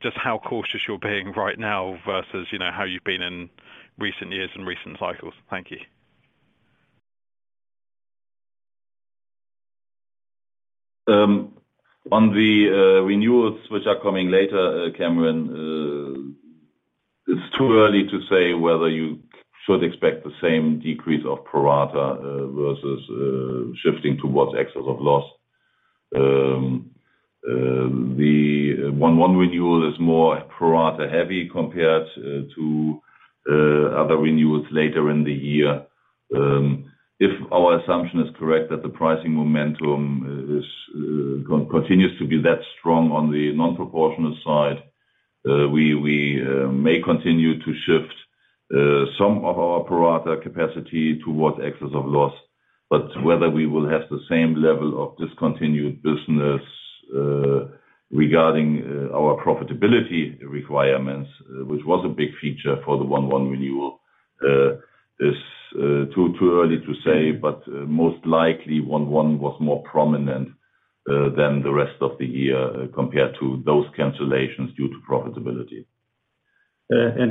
just how cautious you're being right now versus, you know, how you've been in recent years and recent cycles. Thank you. On the renewals which are coming later, Kamran, it's too early to say whether you should expect the same decrease of pro rata versus shifting towards excess of loss. The one renewal is more pro rata heavy compared to other renewals later in the year. If our assumption is correct that the pricing momentum is continues to be that strong on the non-proportional side, we may continue to shift some of our pro rata capacity towards excess of loss. Whether we will have the same level of discontinued business, regarding our profitability requirements, which was a big feature for the 1/1 renewal, is too early to say, but most likely 1/1 was more prominent than the rest of the year compared to those cancellations due to profitability.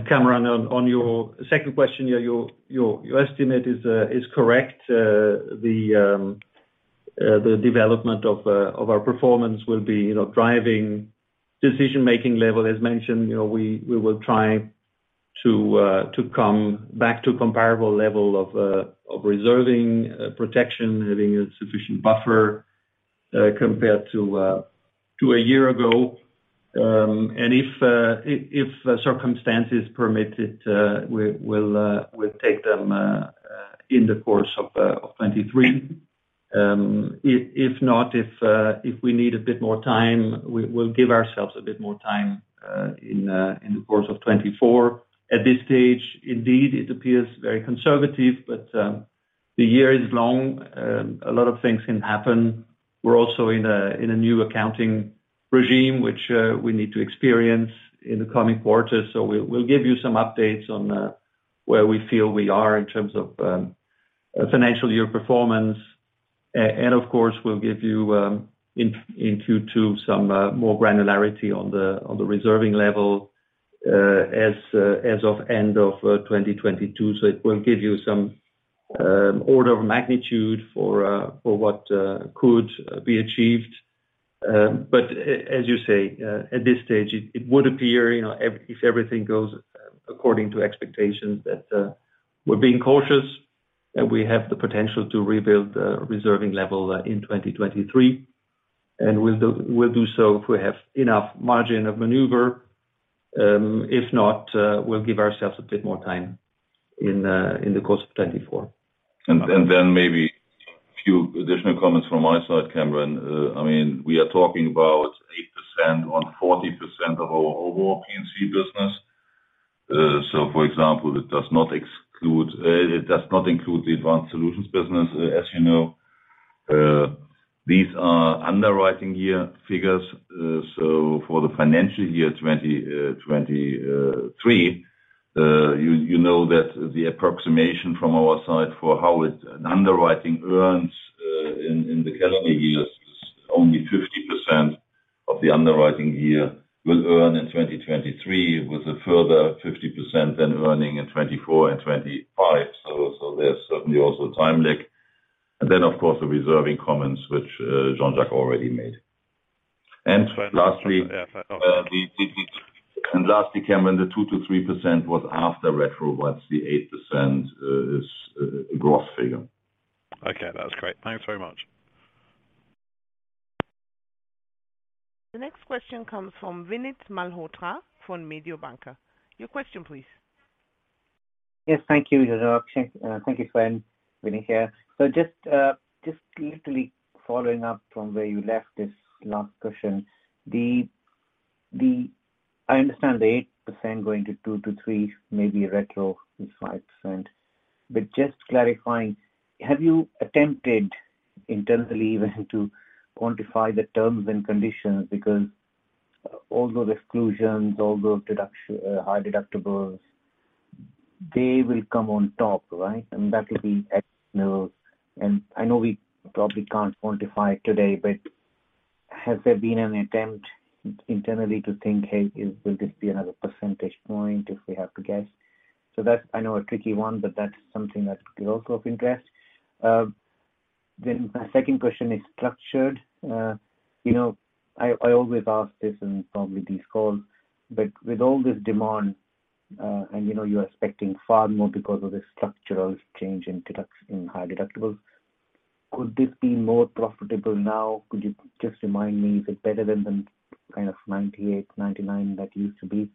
Kamran on your second question, your estimate is correct. The development of our performance will be, you know, driving decision making level. As mentioned, you know, we will try to come back to comparable level of reserving protection, having a sufficient buffer compared to a year ago. If circumstances permit it, we'll take them in the course of 2023. If not, if we need a bit more time, we'll give ourselves a bit more time in the course of 2024. At this stage, indeed, it appears very conservative, but the year is long. A lot of things can happen. We're also in a new accounting regime, which we need to experience in the coming quarters. We'll give you some updates on where we feel we are in terms of financial year performance. Of course, we'll give you into to some more granularity on the reserving level as of end of 2022. It will give you some order of magnitude for for what could be achieved. As you say, at this stage, it would appear, you know, if everything goes according to expectations, that we're being cautious, that we have the potential to rebuild the reserving level in 2023. We'll do so if we have enough margin of maneuver. If not, we'll give ourselves a bit more time in the course of 2024. Maybe a few additional comments from my side, Kamran. I mean, we are talking about 8% on 40% of our overall P&C business. For example, it does not exclude, it does not include the Advanced Solutions business. As you know, these are underwriting year figures. For the financial year 2023, you know that the approximation from our side for how an underwriting earns in the calendar year is only 50% of the underwriting year will earn in 2023, with a further 50% then earning in 2024 and 2025. There's certainly also a time lag. Of course, the reserving comments which Jean-Jacques already made. Lastly- Yeah. Lastly, Kamran, the 2%-3% was after retro, while the 8% is gross figure. Okay, that was great. Thanks very much. The next question comes from Vinit Malhotra from Mediobanca. Your question, please. Yes, thank you, Yeah. Thank you, Sven. Vinit here. Just quickly following up from where you left this last question. I understand the 8% going to 2-3, maybe retro is 5%. Just clarifying, have you attempted internally even to quantify the terms and conditions? Because all those exclusions, all those high deductibles, they will come on top, right? That will be X mills. I know we probably can't quantify it today, but has there been an attempt internally to think, "Hey, will this be another percentage point if we have to guess?" That's, I know, a tricky one, but that's something that is also of interest. My second question is structured. You know, I always ask this in probably these calls, but with all this demand, and you know, you're expecting far more because of the structural change in high deductibles, could this be more profitable now? Could you just remind me, is it better than the, kind of 98, 99 that used to be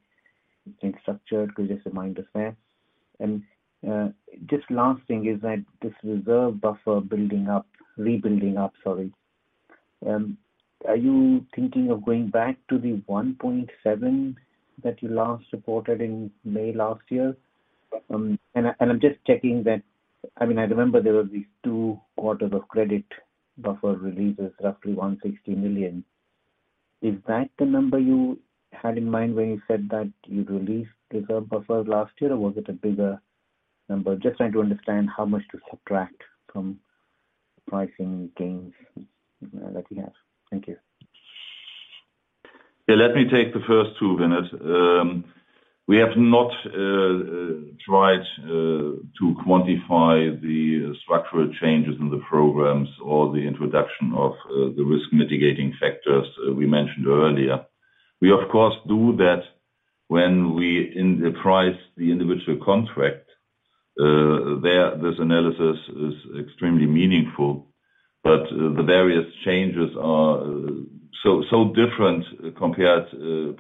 in structured? Could you just remind us there? Just last thing is that this reserve buffer rebuilding up, sorry. Are you thinking of going back to the 1.7 that you last reported in May last year? I'm just checking that. I mean, I remember there were these two quarters of credit buffer releases, roughly 160 million. Is that the number you had in mind when you said that you'd release reserve buffers last year, or was it a bigger number? Just trying to understand how much to subtract from pricing gains that you have. Thank you. Yeah, let me take the first two, Vinit. We have not tried to quantify the structural changes in the programs or the introduction of the risk mitigating factors we mentioned earlier. We of course, do that when we price the individual contract. There, this analysis is extremely meaningful. The various changes are so different compared to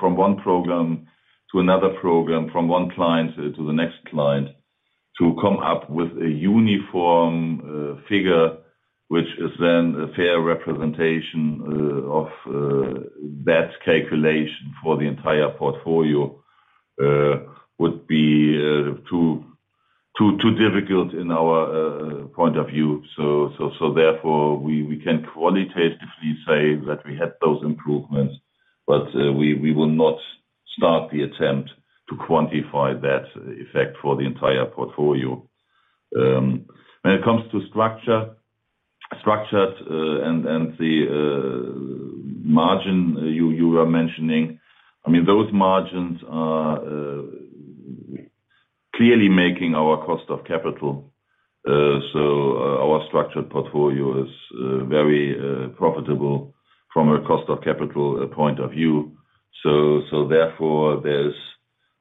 from one program to another program, from one client to the next client. To come up with a uniform figure, which is then a fair representation of that calculation for the entire portfolio, would be too difficult in our point of view. Therefore, we can qualitatively say that we had those improvements, but we will not start the attempt to quantify that effect for the entire portfolio. When it comes to structures, and the margin you were mentioning. I mean, those margins are clearly making our cost of capital. Therefore, there's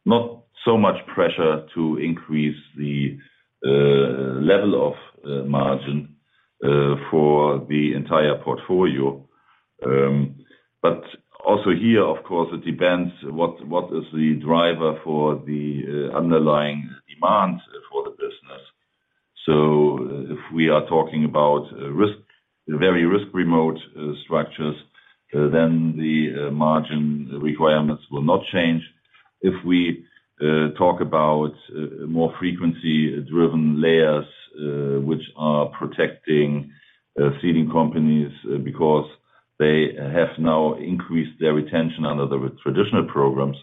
not so much pressure to increase the level of margin for the entire portfolio. Also here, of course, it depends what is the driver for the underlying demand for the business. If we are talking about very risk remote structures, then the margin requirements will not change. If we talk about more frequency-driven layers, which are protecting ceding companies because they have now increased their retention under the traditional programs.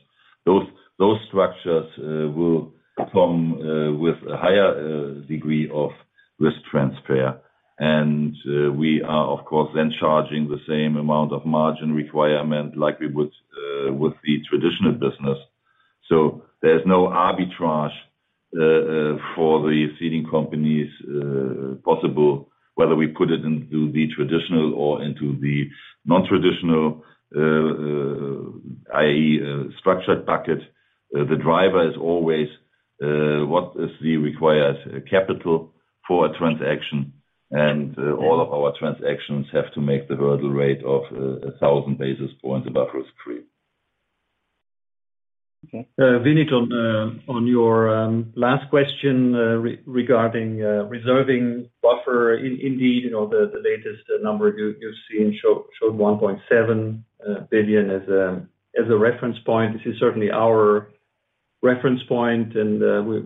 Those structures will come with a higher degree of risk transfer. We are of course, then charging the same amount of margin requirement like we would with the traditional business. There's no arbitrage for the ceding companies possible, whether we put it into the traditional or into the non-traditional, IE, structured bucket. The driver is always what is the required capital for a transaction. All of our transactions have to make the hurdle rate of 1,000 basis points above risk-free. Okay. Vinit, on your last question, regarding reserving buffer. Indeed, you know, the latest number you've seen showed 1.7 billion as a reference point. This is certainly our reference point, and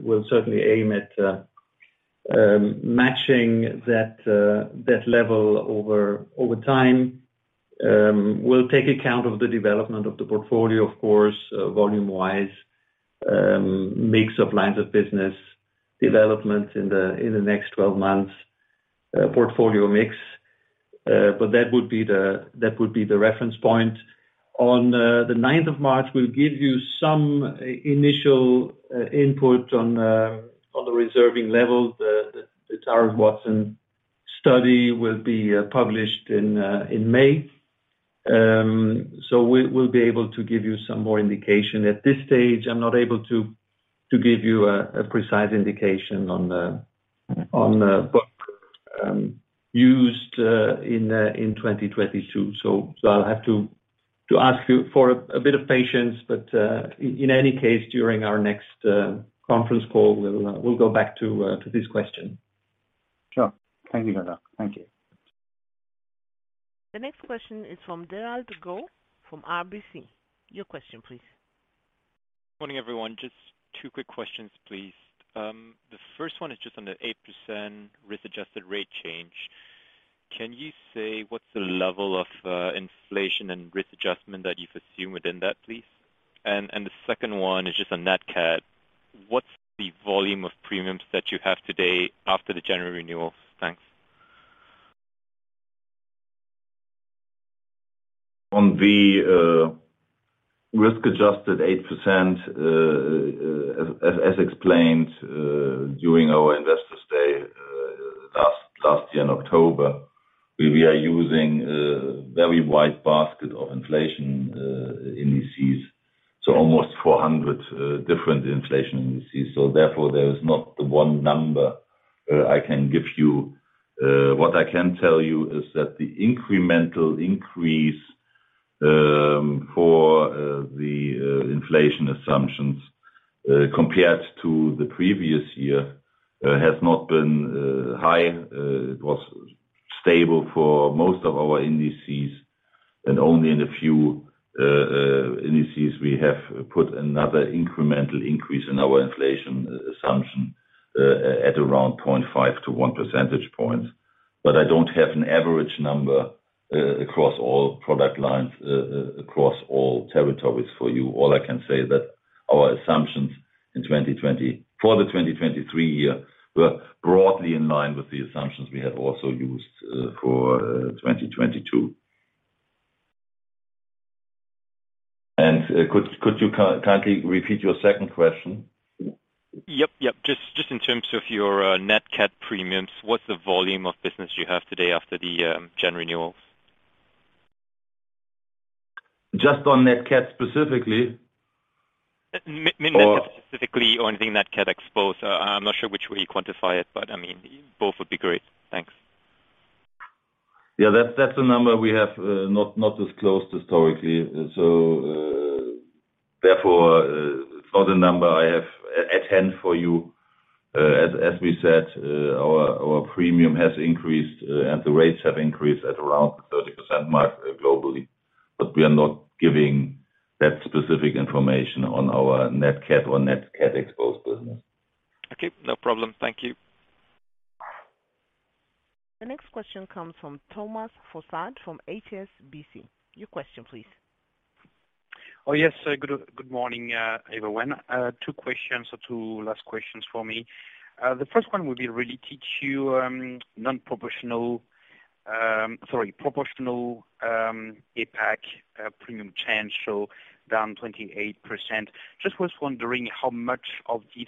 we'll certainly aim at matching that level over time, will take account of the development of the portfolio, of course, volume wise, mix of lines of business development in the next 12 months, portfolio mix. That would be the reference point. On the ninth of March, we'll give you some initial input on the reserving level. The Towers Watson study will be published in May. We'll be able to give you some more indication. At this stage, I'm not able to give you a precise indication on the book used in 2022. I'll have to ask you for a bit of patience. In any case, during our next conference call, we'll go back to this question. Sure.Thank you. The next question is from Derald Goh from RBC. Your question please. Morning, everyone. Just two quick questions, please. The first one is just on the 8% risk adjusted rate change. Can you say what's the level of inflation and risk adjustment that you've assumed within that, please? The second one is just on nat cat. What's the volume of premiums that you have today after the January renewal? Thanks. On the risk adjusted 8%, as explained during our investors day last year in October, we are using a very wide basket of inflation indices. Almost 400 different inflation indices. Therefore, there is not the one number I can give you. What I can tell you is that the incremental increase for the inflation assumptions compared to the previous year has not been high. It was stable for most of our indices. Only in a few indices we have put another incremental increase in our inflation assumption at around 0.5-1 percentage point. I don't have an average number across all product lines, across all territories for you. All I can say is that our assumptions in 2020, for the 2023 year were broadly in line with the assumptions we have also used for 2022. Could you kindly repeat your second question? Yep. Just in terms of your nat cat premiums, what's the volume of business you have today after the January renewals? Just on nat cat specifically? I mean, nat cat specifically or anything nat cat exposed. I'm not sure which way you quantify it, but I mean, both would be great. Thanks. Yeah, that's a number we have not disclosed historically. Therefore, for the number I have at hand for you, as we said, our premium has increased and the rates have increased at around the 30% mark globally. We are not giving that specific information on our nat cat or nat cat exposed business. Okay, no problem. Thank you. The next question comes from Thomas Fossard from HSBC. Your question, please. Oh, yes. Good, good morning, everyone. Two questions or two last questions for me. The first one will be related to non-proportional, sorry, proportional, APAC premium change, down 28%. Just was wondering how much of this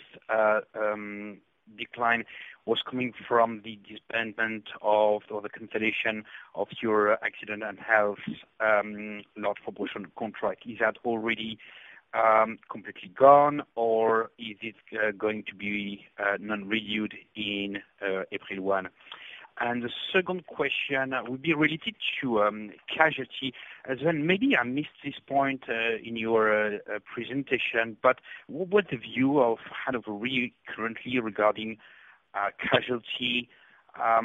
decline was coming from the disbandment of or the consolidation of your Accident & Health large proportional contract. Is that already completely gone, or is it going to be non-renewed in April 1? The second question would be related to casualty. Maybe I missed this point in your presentation, but what's the view of kind of currently regarding casualty? I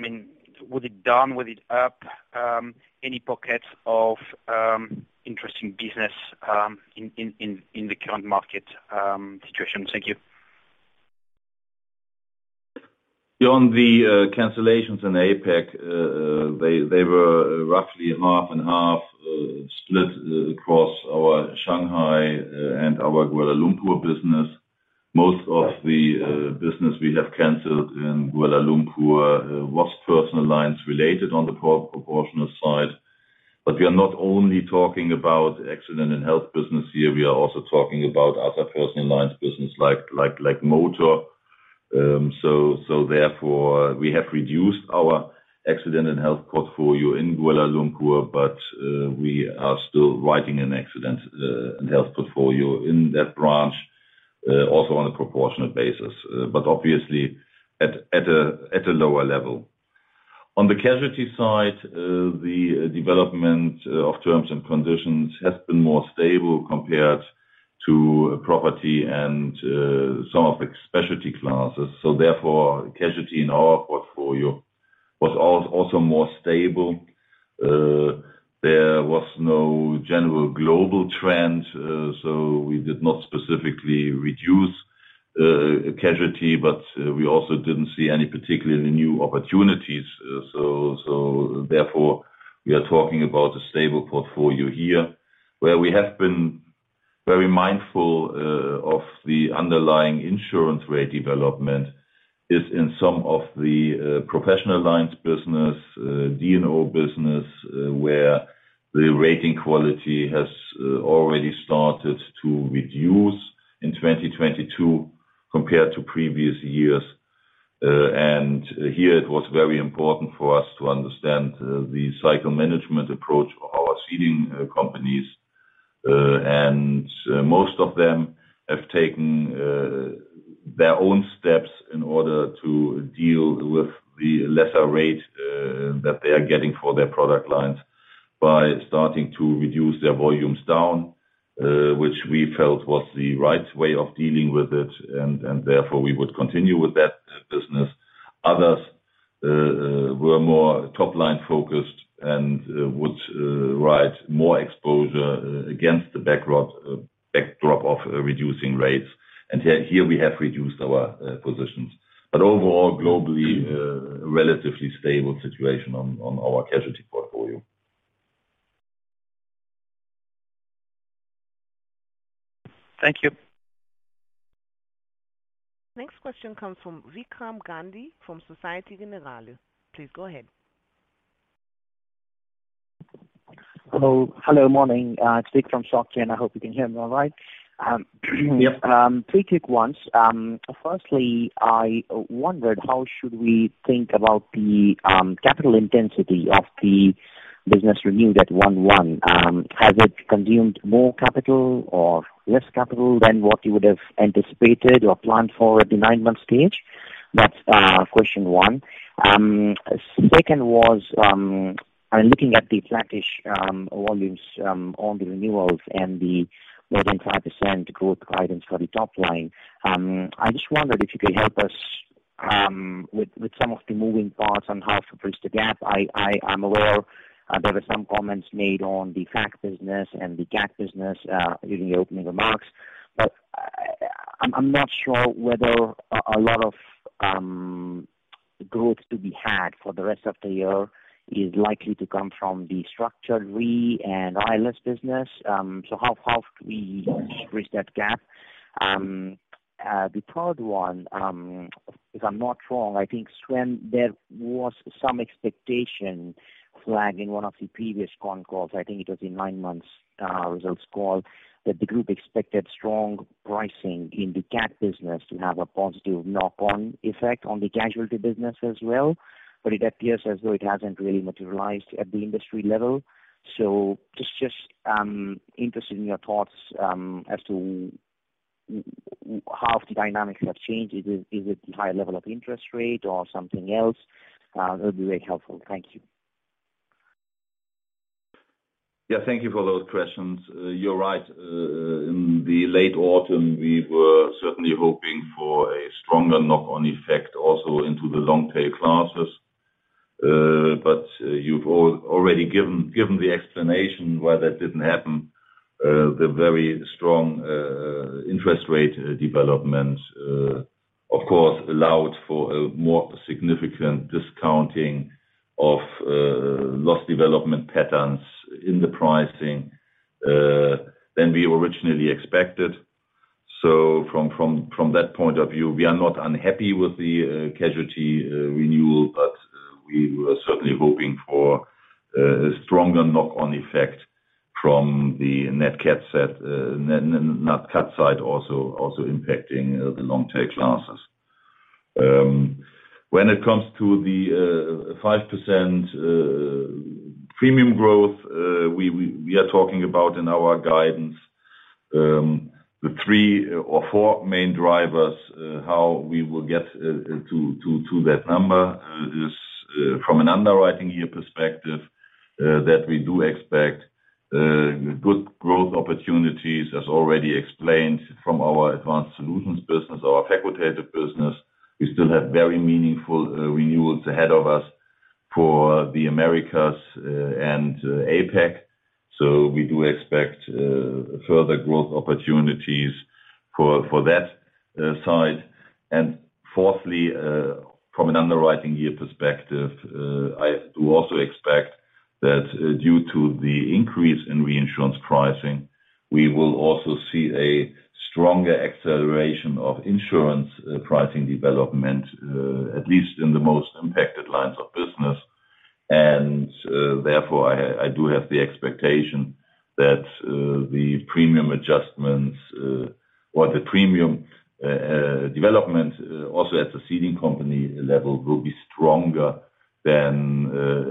mean, was it down, was it up? Any pockets of interesting business in the current market situation? Thank you. On the cancellations in APAC, they were roughly half and half split across our Shanghai and our Kuala Lumpur business. Most of the business we have canceled in Kuala Lumpur was personal lines related on the pro-proportional side. We are not only talking about Accident & Health business here, we are also talking about other personal lines business, like motor. Therefore, we have reduced our Accident & Health portfolio in Kuala Lumpur, we are still writing an Accident & Health portfolio in that branch also on a proportional basis. Obviously at a lower level. On the casualty side, the development of terms and conditions has been more stable compared to property and some of the specialty classes. Therefore, casualty in our portfolio was also more stable. There was no general global trend. We did not specifically reduce casualty, but we also didn't see any particularly new opportunities. Therefore, we are talking about a stable portfolio here. Where we have been very mindful of the underlying insurance rate development is in some of the professional lines business, D&O business, where the rating quality has already started to reduce in 2022 compared to previous years. Here it was very important for us to understand the cycle management approach of our ceding companies. Most of them have taken their own steps in order to deal with the lesser rate that they are getting for their product lines by starting to reduce their volumes down, which we felt was the right way of dealing with it, and therefore, we would continue with that business. Others were more top-line focused and would write more exposure against the backdrop of reducing rates. Here we have reduced our positions. Overall, globally, relatively stable situation on our casualty portfolio. Thank you. Next question comes from Vikram Gandhi from Société Générale. Please go ahead. Hello. Hello, morning. It's Vik from SocGen. I hope you can hear me all right. Yep. Three quick ones. Firstly, I wondered how should we think about the capital intensity of the business review that 1/1. Has it consumed more capital or less capital than what you would have anticipated or planned for at the nine-month stage? That's question one. Second was, I'm looking at the flattish volumes on the renewals and the more than 5% growth guidance for the top line. I just wondered if you could help us with some of the moving parts on how to bridge the gap. I'm aware there were some comments made on the fact business and the gap business during the opening remarks. I'm not sure whether a lot of growth to be had for the rest of the year is likely to come from the structured re and ILS business. How could we bridge that gap? The third one, if I'm not wrong, I think, Sven, there was some expectation flagged in one of the previous con calls, I think it was in nine months results call, that the group expected strong pricing in the cat business to have a positive knock-on effect on the casualty business as well. It appears as though it hasn't really materialized at the industry level. Just interested in your thoughts as to how the dynamics have changed. Is it the high level of interest rate or something else? That'd be very helpful. Thank you. Yeah, thank you for those questions. You're right. In the late autumn, we were certainly hoping for a stronger knock-on effect also into the long tail classes. But you've already given the explanation why that didn't happen. The very strong interest rate development, of course, allowed for a more significant discounting of loss development patterns in the pricing than we originally expected. From that point of view, we are not unhappy with the casualty renewal, but we were certainly hoping for a stronger knock-on effect from the nat cat side also impacting the long tail classes. When it comes to the 5% premium growth we are talking about in our guidance, the three or four main drivers how we will get to that number is from an underwriting year perspective that we do expect good growth opportunities, as already explained from our Advanced Solutions business, our facultative business. We still have very meaningful renewals ahead of us for the Americas and APAC. We do expect further growth opportunities for that side. Fourthly, from an underwriting year perspective, I do also expect that due to the increase in reinsurance pricing, we will also see a stronger acceleration of insurance pricing development at least in the most impacted lines of business. Therefore, I do have the expectation that the premium adjustments, or the premium development, also at the ceding company level, will be stronger than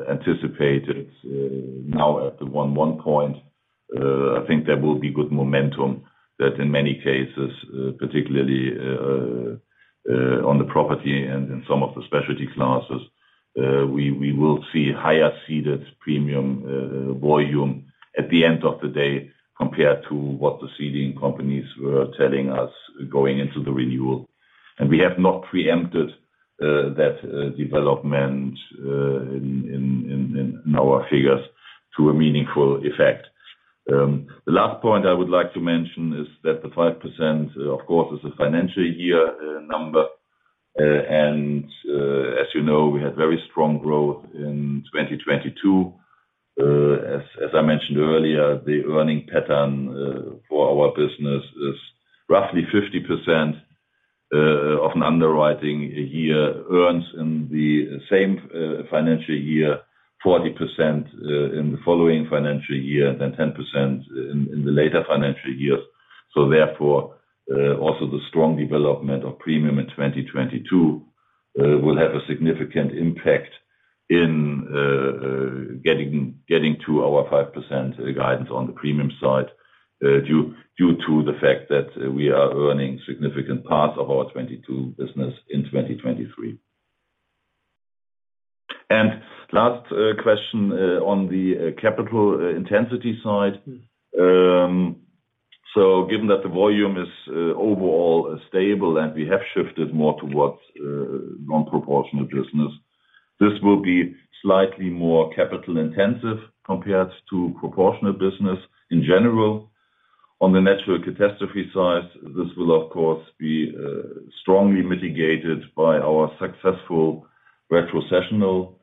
anticipated now at the 1/1 point. I think there will be good momentum that in many cases, particularly on the property and in some of the specialty classes, we will see higher seeded premium volume at the end of the day compared to what the ceding companies were telling us going into the renewal. We have not preempted that development in our figures to a meaningful effect. The last point I would like to mention is that the 5%, of course, is a financial year number. As you know, we had very strong growth in 2022. As I mentioned earlier, the earning pattern for our business is roughly 50% of an underwriting year earns in the same financial year, 40% in the following financial year and 10% in the later financial years. Also the strong development of premium in 2022 will have a significant impact in getting to our 5% guidance on the premium side due to the fact that we are earning significant parts of our 2022 business in 2023. Last question on the capital intensity side. Given that the volume is overall stable and we have shifted more towards non-proportional business, this will be slightly more capital intensive compared to proportional business in general. On the natural catastrophe side, this will of course be strongly mitigated by our successful retrocessional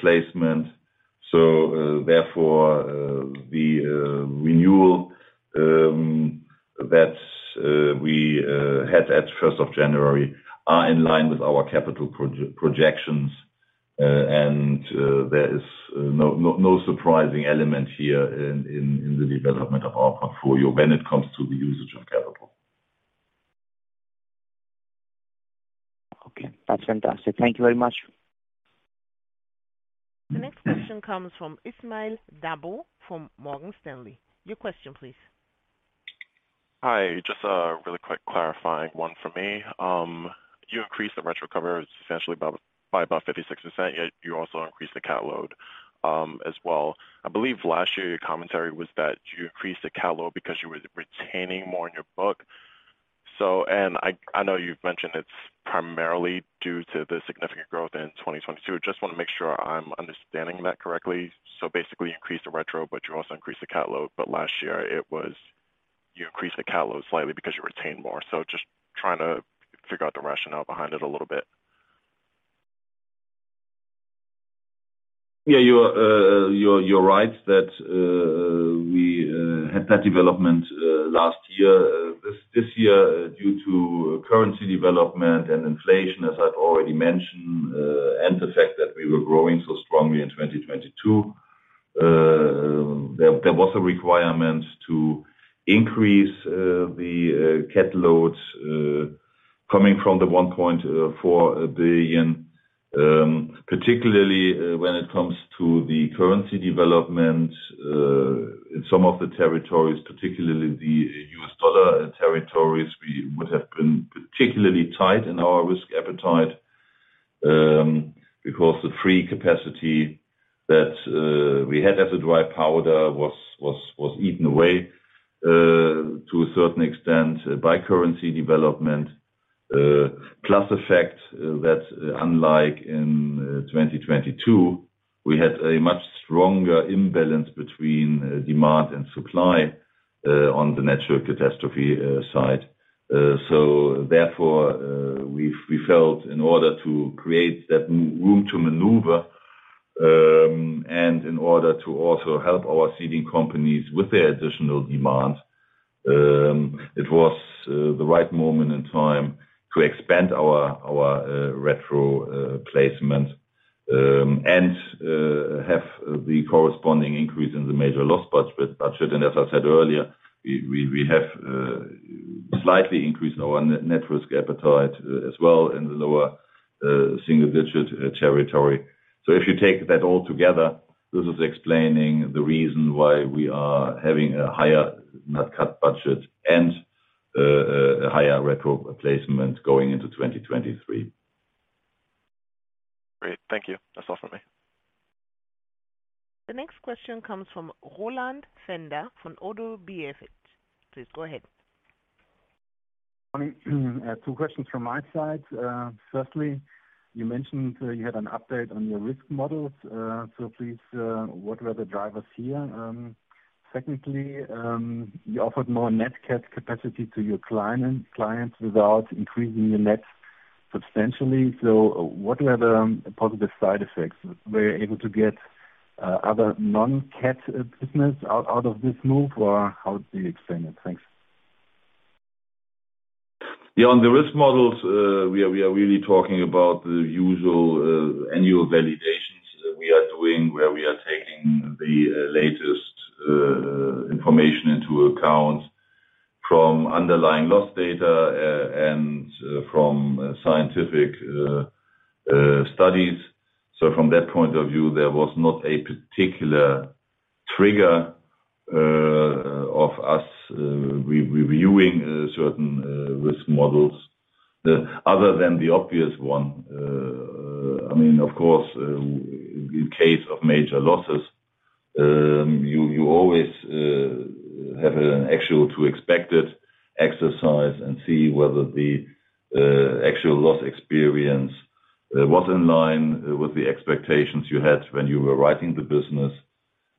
placement. Therefore, the renewal that we had at first of January are in line with our capital projections. There is no surprising element here in the development of our portfolio when it comes to the usage of capital. Okay. That's fantastic. Thank you very much. The next question comes from Ismael Dabo from Morgan Stanley. Your question please. Hi. Just a really quick clarifying one for me. You increased the retro cover substantially by about 56%, yet you also increased the nat cat load, as well. I believe last year your commentary was that you increased the nat cat load because you were retaining more in your book. I know you've mentioned it's primarily due to the significant growth in 2022. Just want to make sure I'm understanding that correctly. Basically you increased the retro, but you also increased the nat cat load. Last year it was you increased the nat cat load slightly because you retained more. Just trying to figure out the rationale behind it a little bit. Yeah, you're right that we had that development last year. This year, due to currency development and inflation, as I've already mentioned, and the fact that we were growing so strongly in 2022, there was a requirement to increase the cat loads coming from the $1.4 billion, particularly when it comes to the currency development in some of the territories, particularly the U.S. dollar territories. We would have been particularly tight in our risk appetite because the free capacity that we had as a dry powder was eaten away to a certain extent by currency development. The fact that unlike in 2022, we had a much stronger imbalance between demand and supply on the natural catastrophe side. Therefore, we felt in order to create that room to maneuver, and in order to also help our ceding companies with their additional demand, it was the right moment in time to expand our retro placement, and have the corresponding increase in the major loss budget. As I said earlier, we have slightly increased our net risk appetite as well in the lower single-digit territory. If you take that all together, this is explaining the reason why we are having a higher nat cat budget and a higher retro placement going into 2023. Great. Thank you. That's all for me. The next question comes from Roland Pfänder from ODDO BHF. Please go ahead. Morning. Two questions from my side. Firstly, you mentioned you had an update on your risk models. Please, what were the drivers here? Secondly, you offered more nat cat capacity to your clients without increasing your net substantially. What were the positive side effects? Were you able to get other non-cat business out of this move, or how do you explain it? Thanks. Yeah. On the risk models, we are really talking about the usual annual validations that we are doing, where we are taking the latest information into account from underlying loss data and from scientific studies. From that point of view, there was not a particular trigger of us re-reviewing certain risk models other than the obvious one. I mean, of course, in case of major losses, you always have an actual to expected exercise and see whether the actual loss experience was in line with the expectations you had when you were writing the business.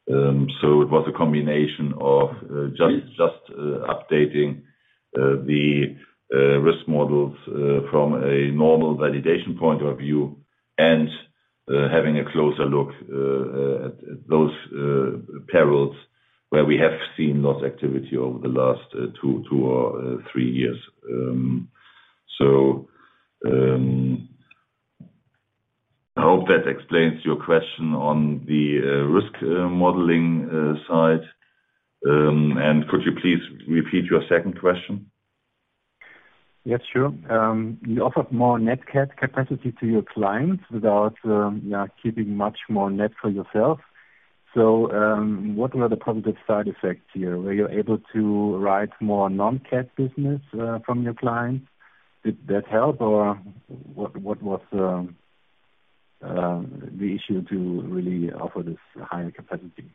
It was a combination of just updating the risk models from a normal validation point of view, and having a closer look at those perils where we have seen loss activity over the last two or three years. I hope that explains your question on the risk modeling side. Could you please repeat your second question? Yes, sure. You offered more nat cat capacity to your clients without keeping much more net for yourself. What were the positive side effects here? Were you able to write more non-cat business from your clients? Did that help or what was the issue to really offer this higher capacity?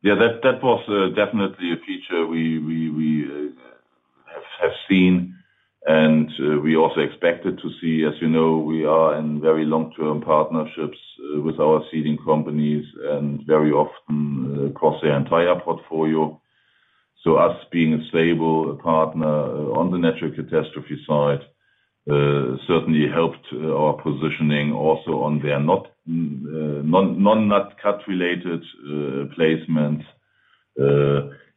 Yeah, that was definitely a feature we have seen and we also expected to see. As you know, we are in very long-term partnerships with our ceding companies and very often across their entire portfolio. Us being a stable partner on the natural catastrophe side certainly helped our positioning also on their non-nat cat related placements.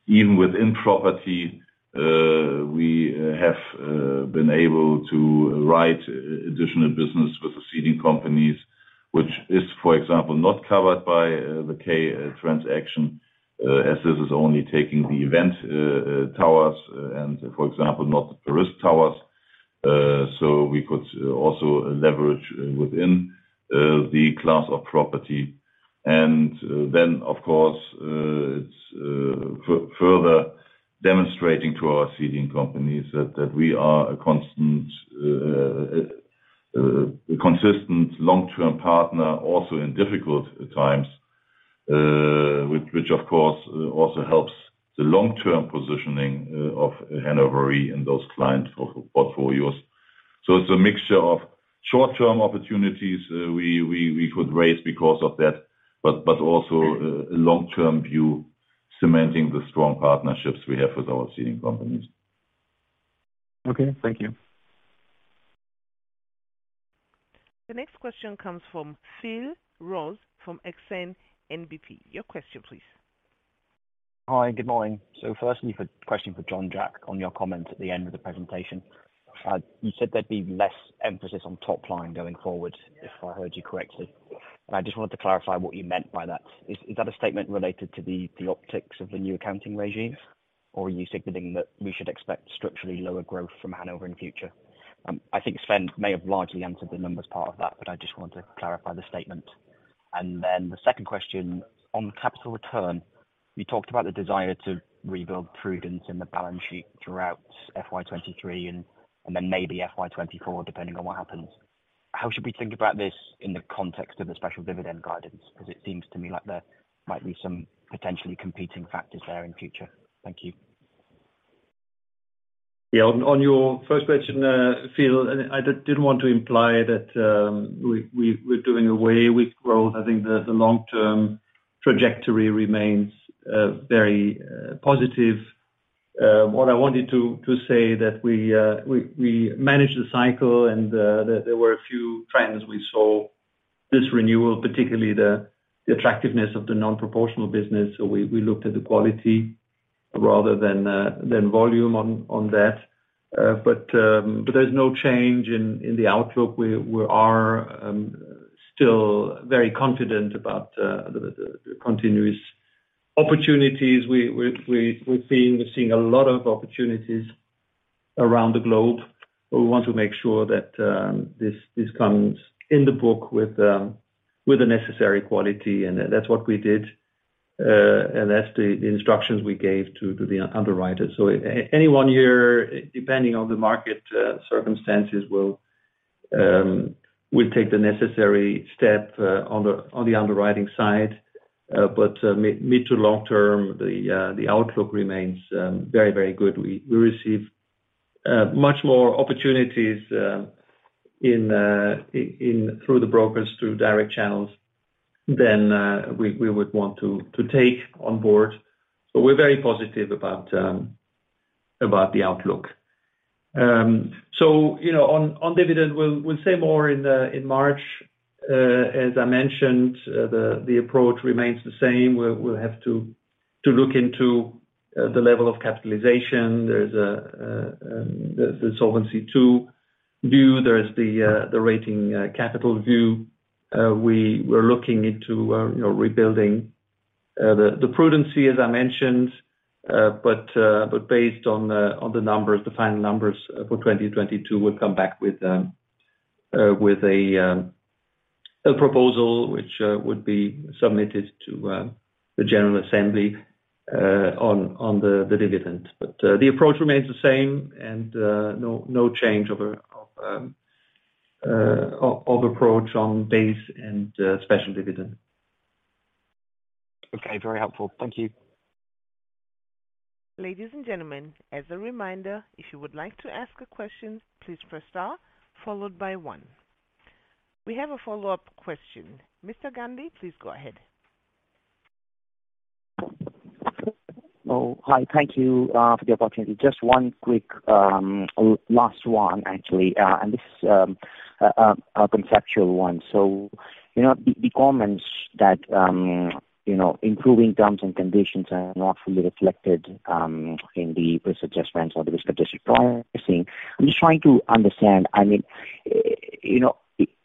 Even within property, we have been able to write additional business with the ceding companies, which is, for example, not covered by the K transaction, as this is only taking the event towers and, for example, not the risk towers. We could also leverage within the class of property. Of course, it's further demonstrating to our ceding companies that we are a constant, a consistent long-term partner also in difficult times, which of course also helps the long-term positioning of Hannover Re in those client portfolios. It's a mixture of short-term opportunities we could raise because of that, but also a long-term view cementing the strong partnerships we have with our ceding companies. Okay. Thank you. The next question comes from Phil Ross from Exane BNP. Your question, please. Hi. Good morning. firstly question for Jean-Jacques Henchoz on your comment at the end of the presentation. You said there'd be less emphasis on top line going forward, if I heard you correctly. I just wanted to clarify what you meant by that. Is that a statement related to the optics of the new accounting regime, or are you signaling that we should expect structurally lower growth from Hannover Re in future? I think Sven Althoff may have largely answered the numbers part of that, but I just wanted to clarify the statement. The second question on capital return, you talked about the desire to rebuild prudence in the balance sheet throughout FY 2023 and then maybe FY 2024, depending on what happens. How should we think about this in the context of the special dividend guidance? It seems to me like there might be some potentially competing factors there in future. Thank you. Yeah. On your first question, Phil, I didn't want to imply that we're doing away with growth. I think the long-term trajectory remains very positive. What I wanted to say that we managed the cycle and there were a few trends we saw this renewal, particularly the attractiveness of the non-proportional business. We looked at the quality rather than volume on that but there's no change in the outlook. We are still very confident about the continuous opportunities. We're seeing a lot of opportunities around the globe. We want to make sure that this comes in the book with the necessary quality, and that's what we did. That's the instructions we gave to the underwriters. Any one year, depending on the market circumstances, we'll take the necessary step on the underwriting side. Mid to long term, the outlook remains very good. We receive much more opportunities in through the brokers, through direct channels than we would want to take on board. We're very positive about the outlook. You know, on dividend, we'll say more in March. As I mentioned, the approach remains the same. We'll have to look into the level of capitalization. There's the Solvency II view. There's the rating capital view. We're looking into, you know, rebuilding the prudency as I mentioned. Based on the numbers, the final numbers for 2022, we'll come back with a proposal which would be submitted to the general assembly on the dividend. The approach remains the same and no change of approach on base and special dividend. Okay. Very helpful. Thank you. Ladies and gentlemen, as a reminder, if you would like to ask a question, please press star followed by one. We have a follow-up question. Mr. Gandhi, please go ahead. Hi. Thank you for the opportunity. Just one quick last one, actually. This is a conceptual one. You know, the comments that, you know, improving terms and conditions are not fully reflected in the risk adjustments or the risk-adjusted pricing. I'm just trying to understand, I mean, you know,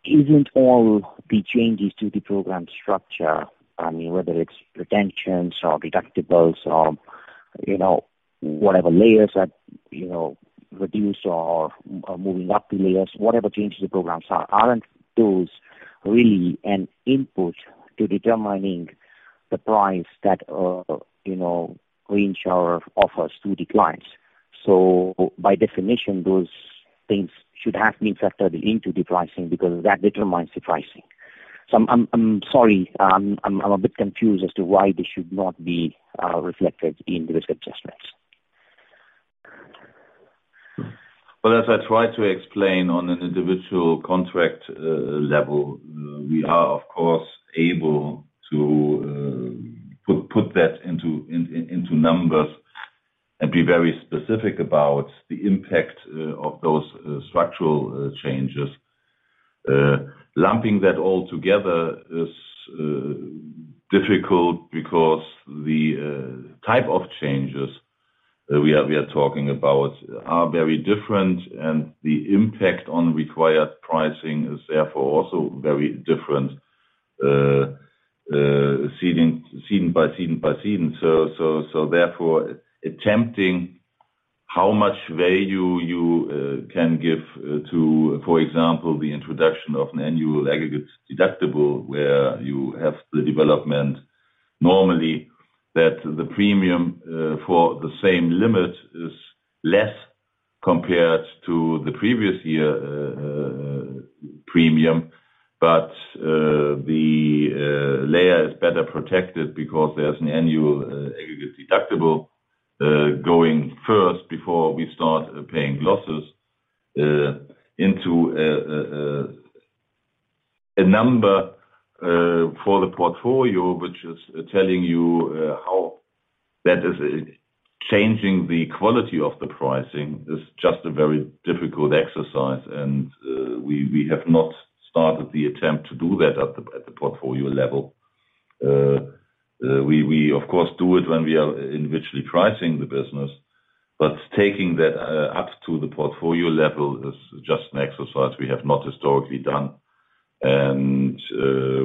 isn't all the changes to the program structure, I mean, whether it's retentions or deductibles or, you know, whatever layers that, you know, reduce or moving up the layers. Whatever changes the programs are, aren't those really an input to determining the price that, you know, Hannover Re offers to the clients? By definition, those things should have been factored into the pricing because that determines the pricing. I'm sorry, I'm a bit confused as to why they should not be reflected in the risk adjustments. As I tried to explain on an individual contract level, we are of course able to put that into numbers and be very specific about the impact of those structural changes. Lumping that all together is difficult because the type of changes we are talking about are very different, and the impact on required pricing is therefore also very different season by season by season. Therefore, attempting how much value you can give to, for example, the introduction of an annual aggregate deductible where you have the development normally that the premium for the same limit is less compared to the previous year premium. The layer is better protected because there's an annual aggregate deductible going first before we start paying losses into a number for the portfolio, which is telling you how that is changing the quality of the pricing is just a very difficult exercise. We have not started the attempt to do that at the portfolio level. We of course do it when we are individually pricing the business, but taking that up to the portfolio level is just an exercise we have not historically done.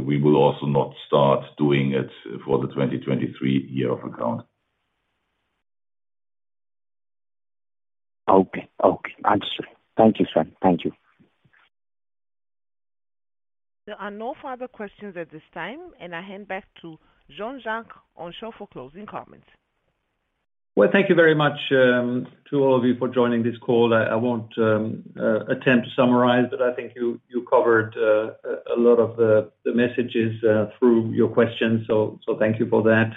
We will also not start doing it for the 2023 year of account. Okay. Okay. Understood. Thank you, Sven. Thank you. There are no further questions at this time, and I hand back to Jean-Jacques Henchoz for closing comments. Well, thank you very much to all of you for joining this call. I won't attempt to summarize, but I think you covered a lot of the messages through your questions. Thank you for that.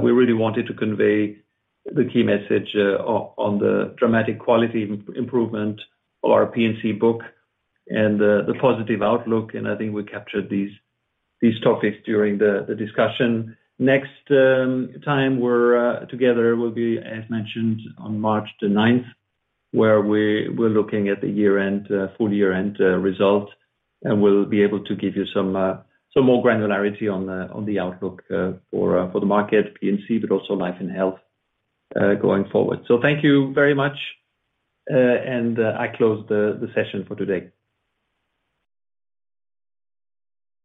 We really wanted to convey the key message on the dramatic quality improvement of our P&C book and the positive outlook, and I think we captured these topics during the discussion. Next time we're together will be, as mentioned, on March the ninth, where we're looking at the year-end full year-end results, and we'll be able to give you some more granularity on the outlook for the market P&C, but also life and health going forward. Thank you very much. I close the session for today.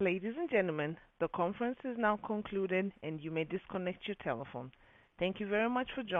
Ladies and gentlemen, the conference is now concluded and you may disconnect your telephone. Thank you very much for joining.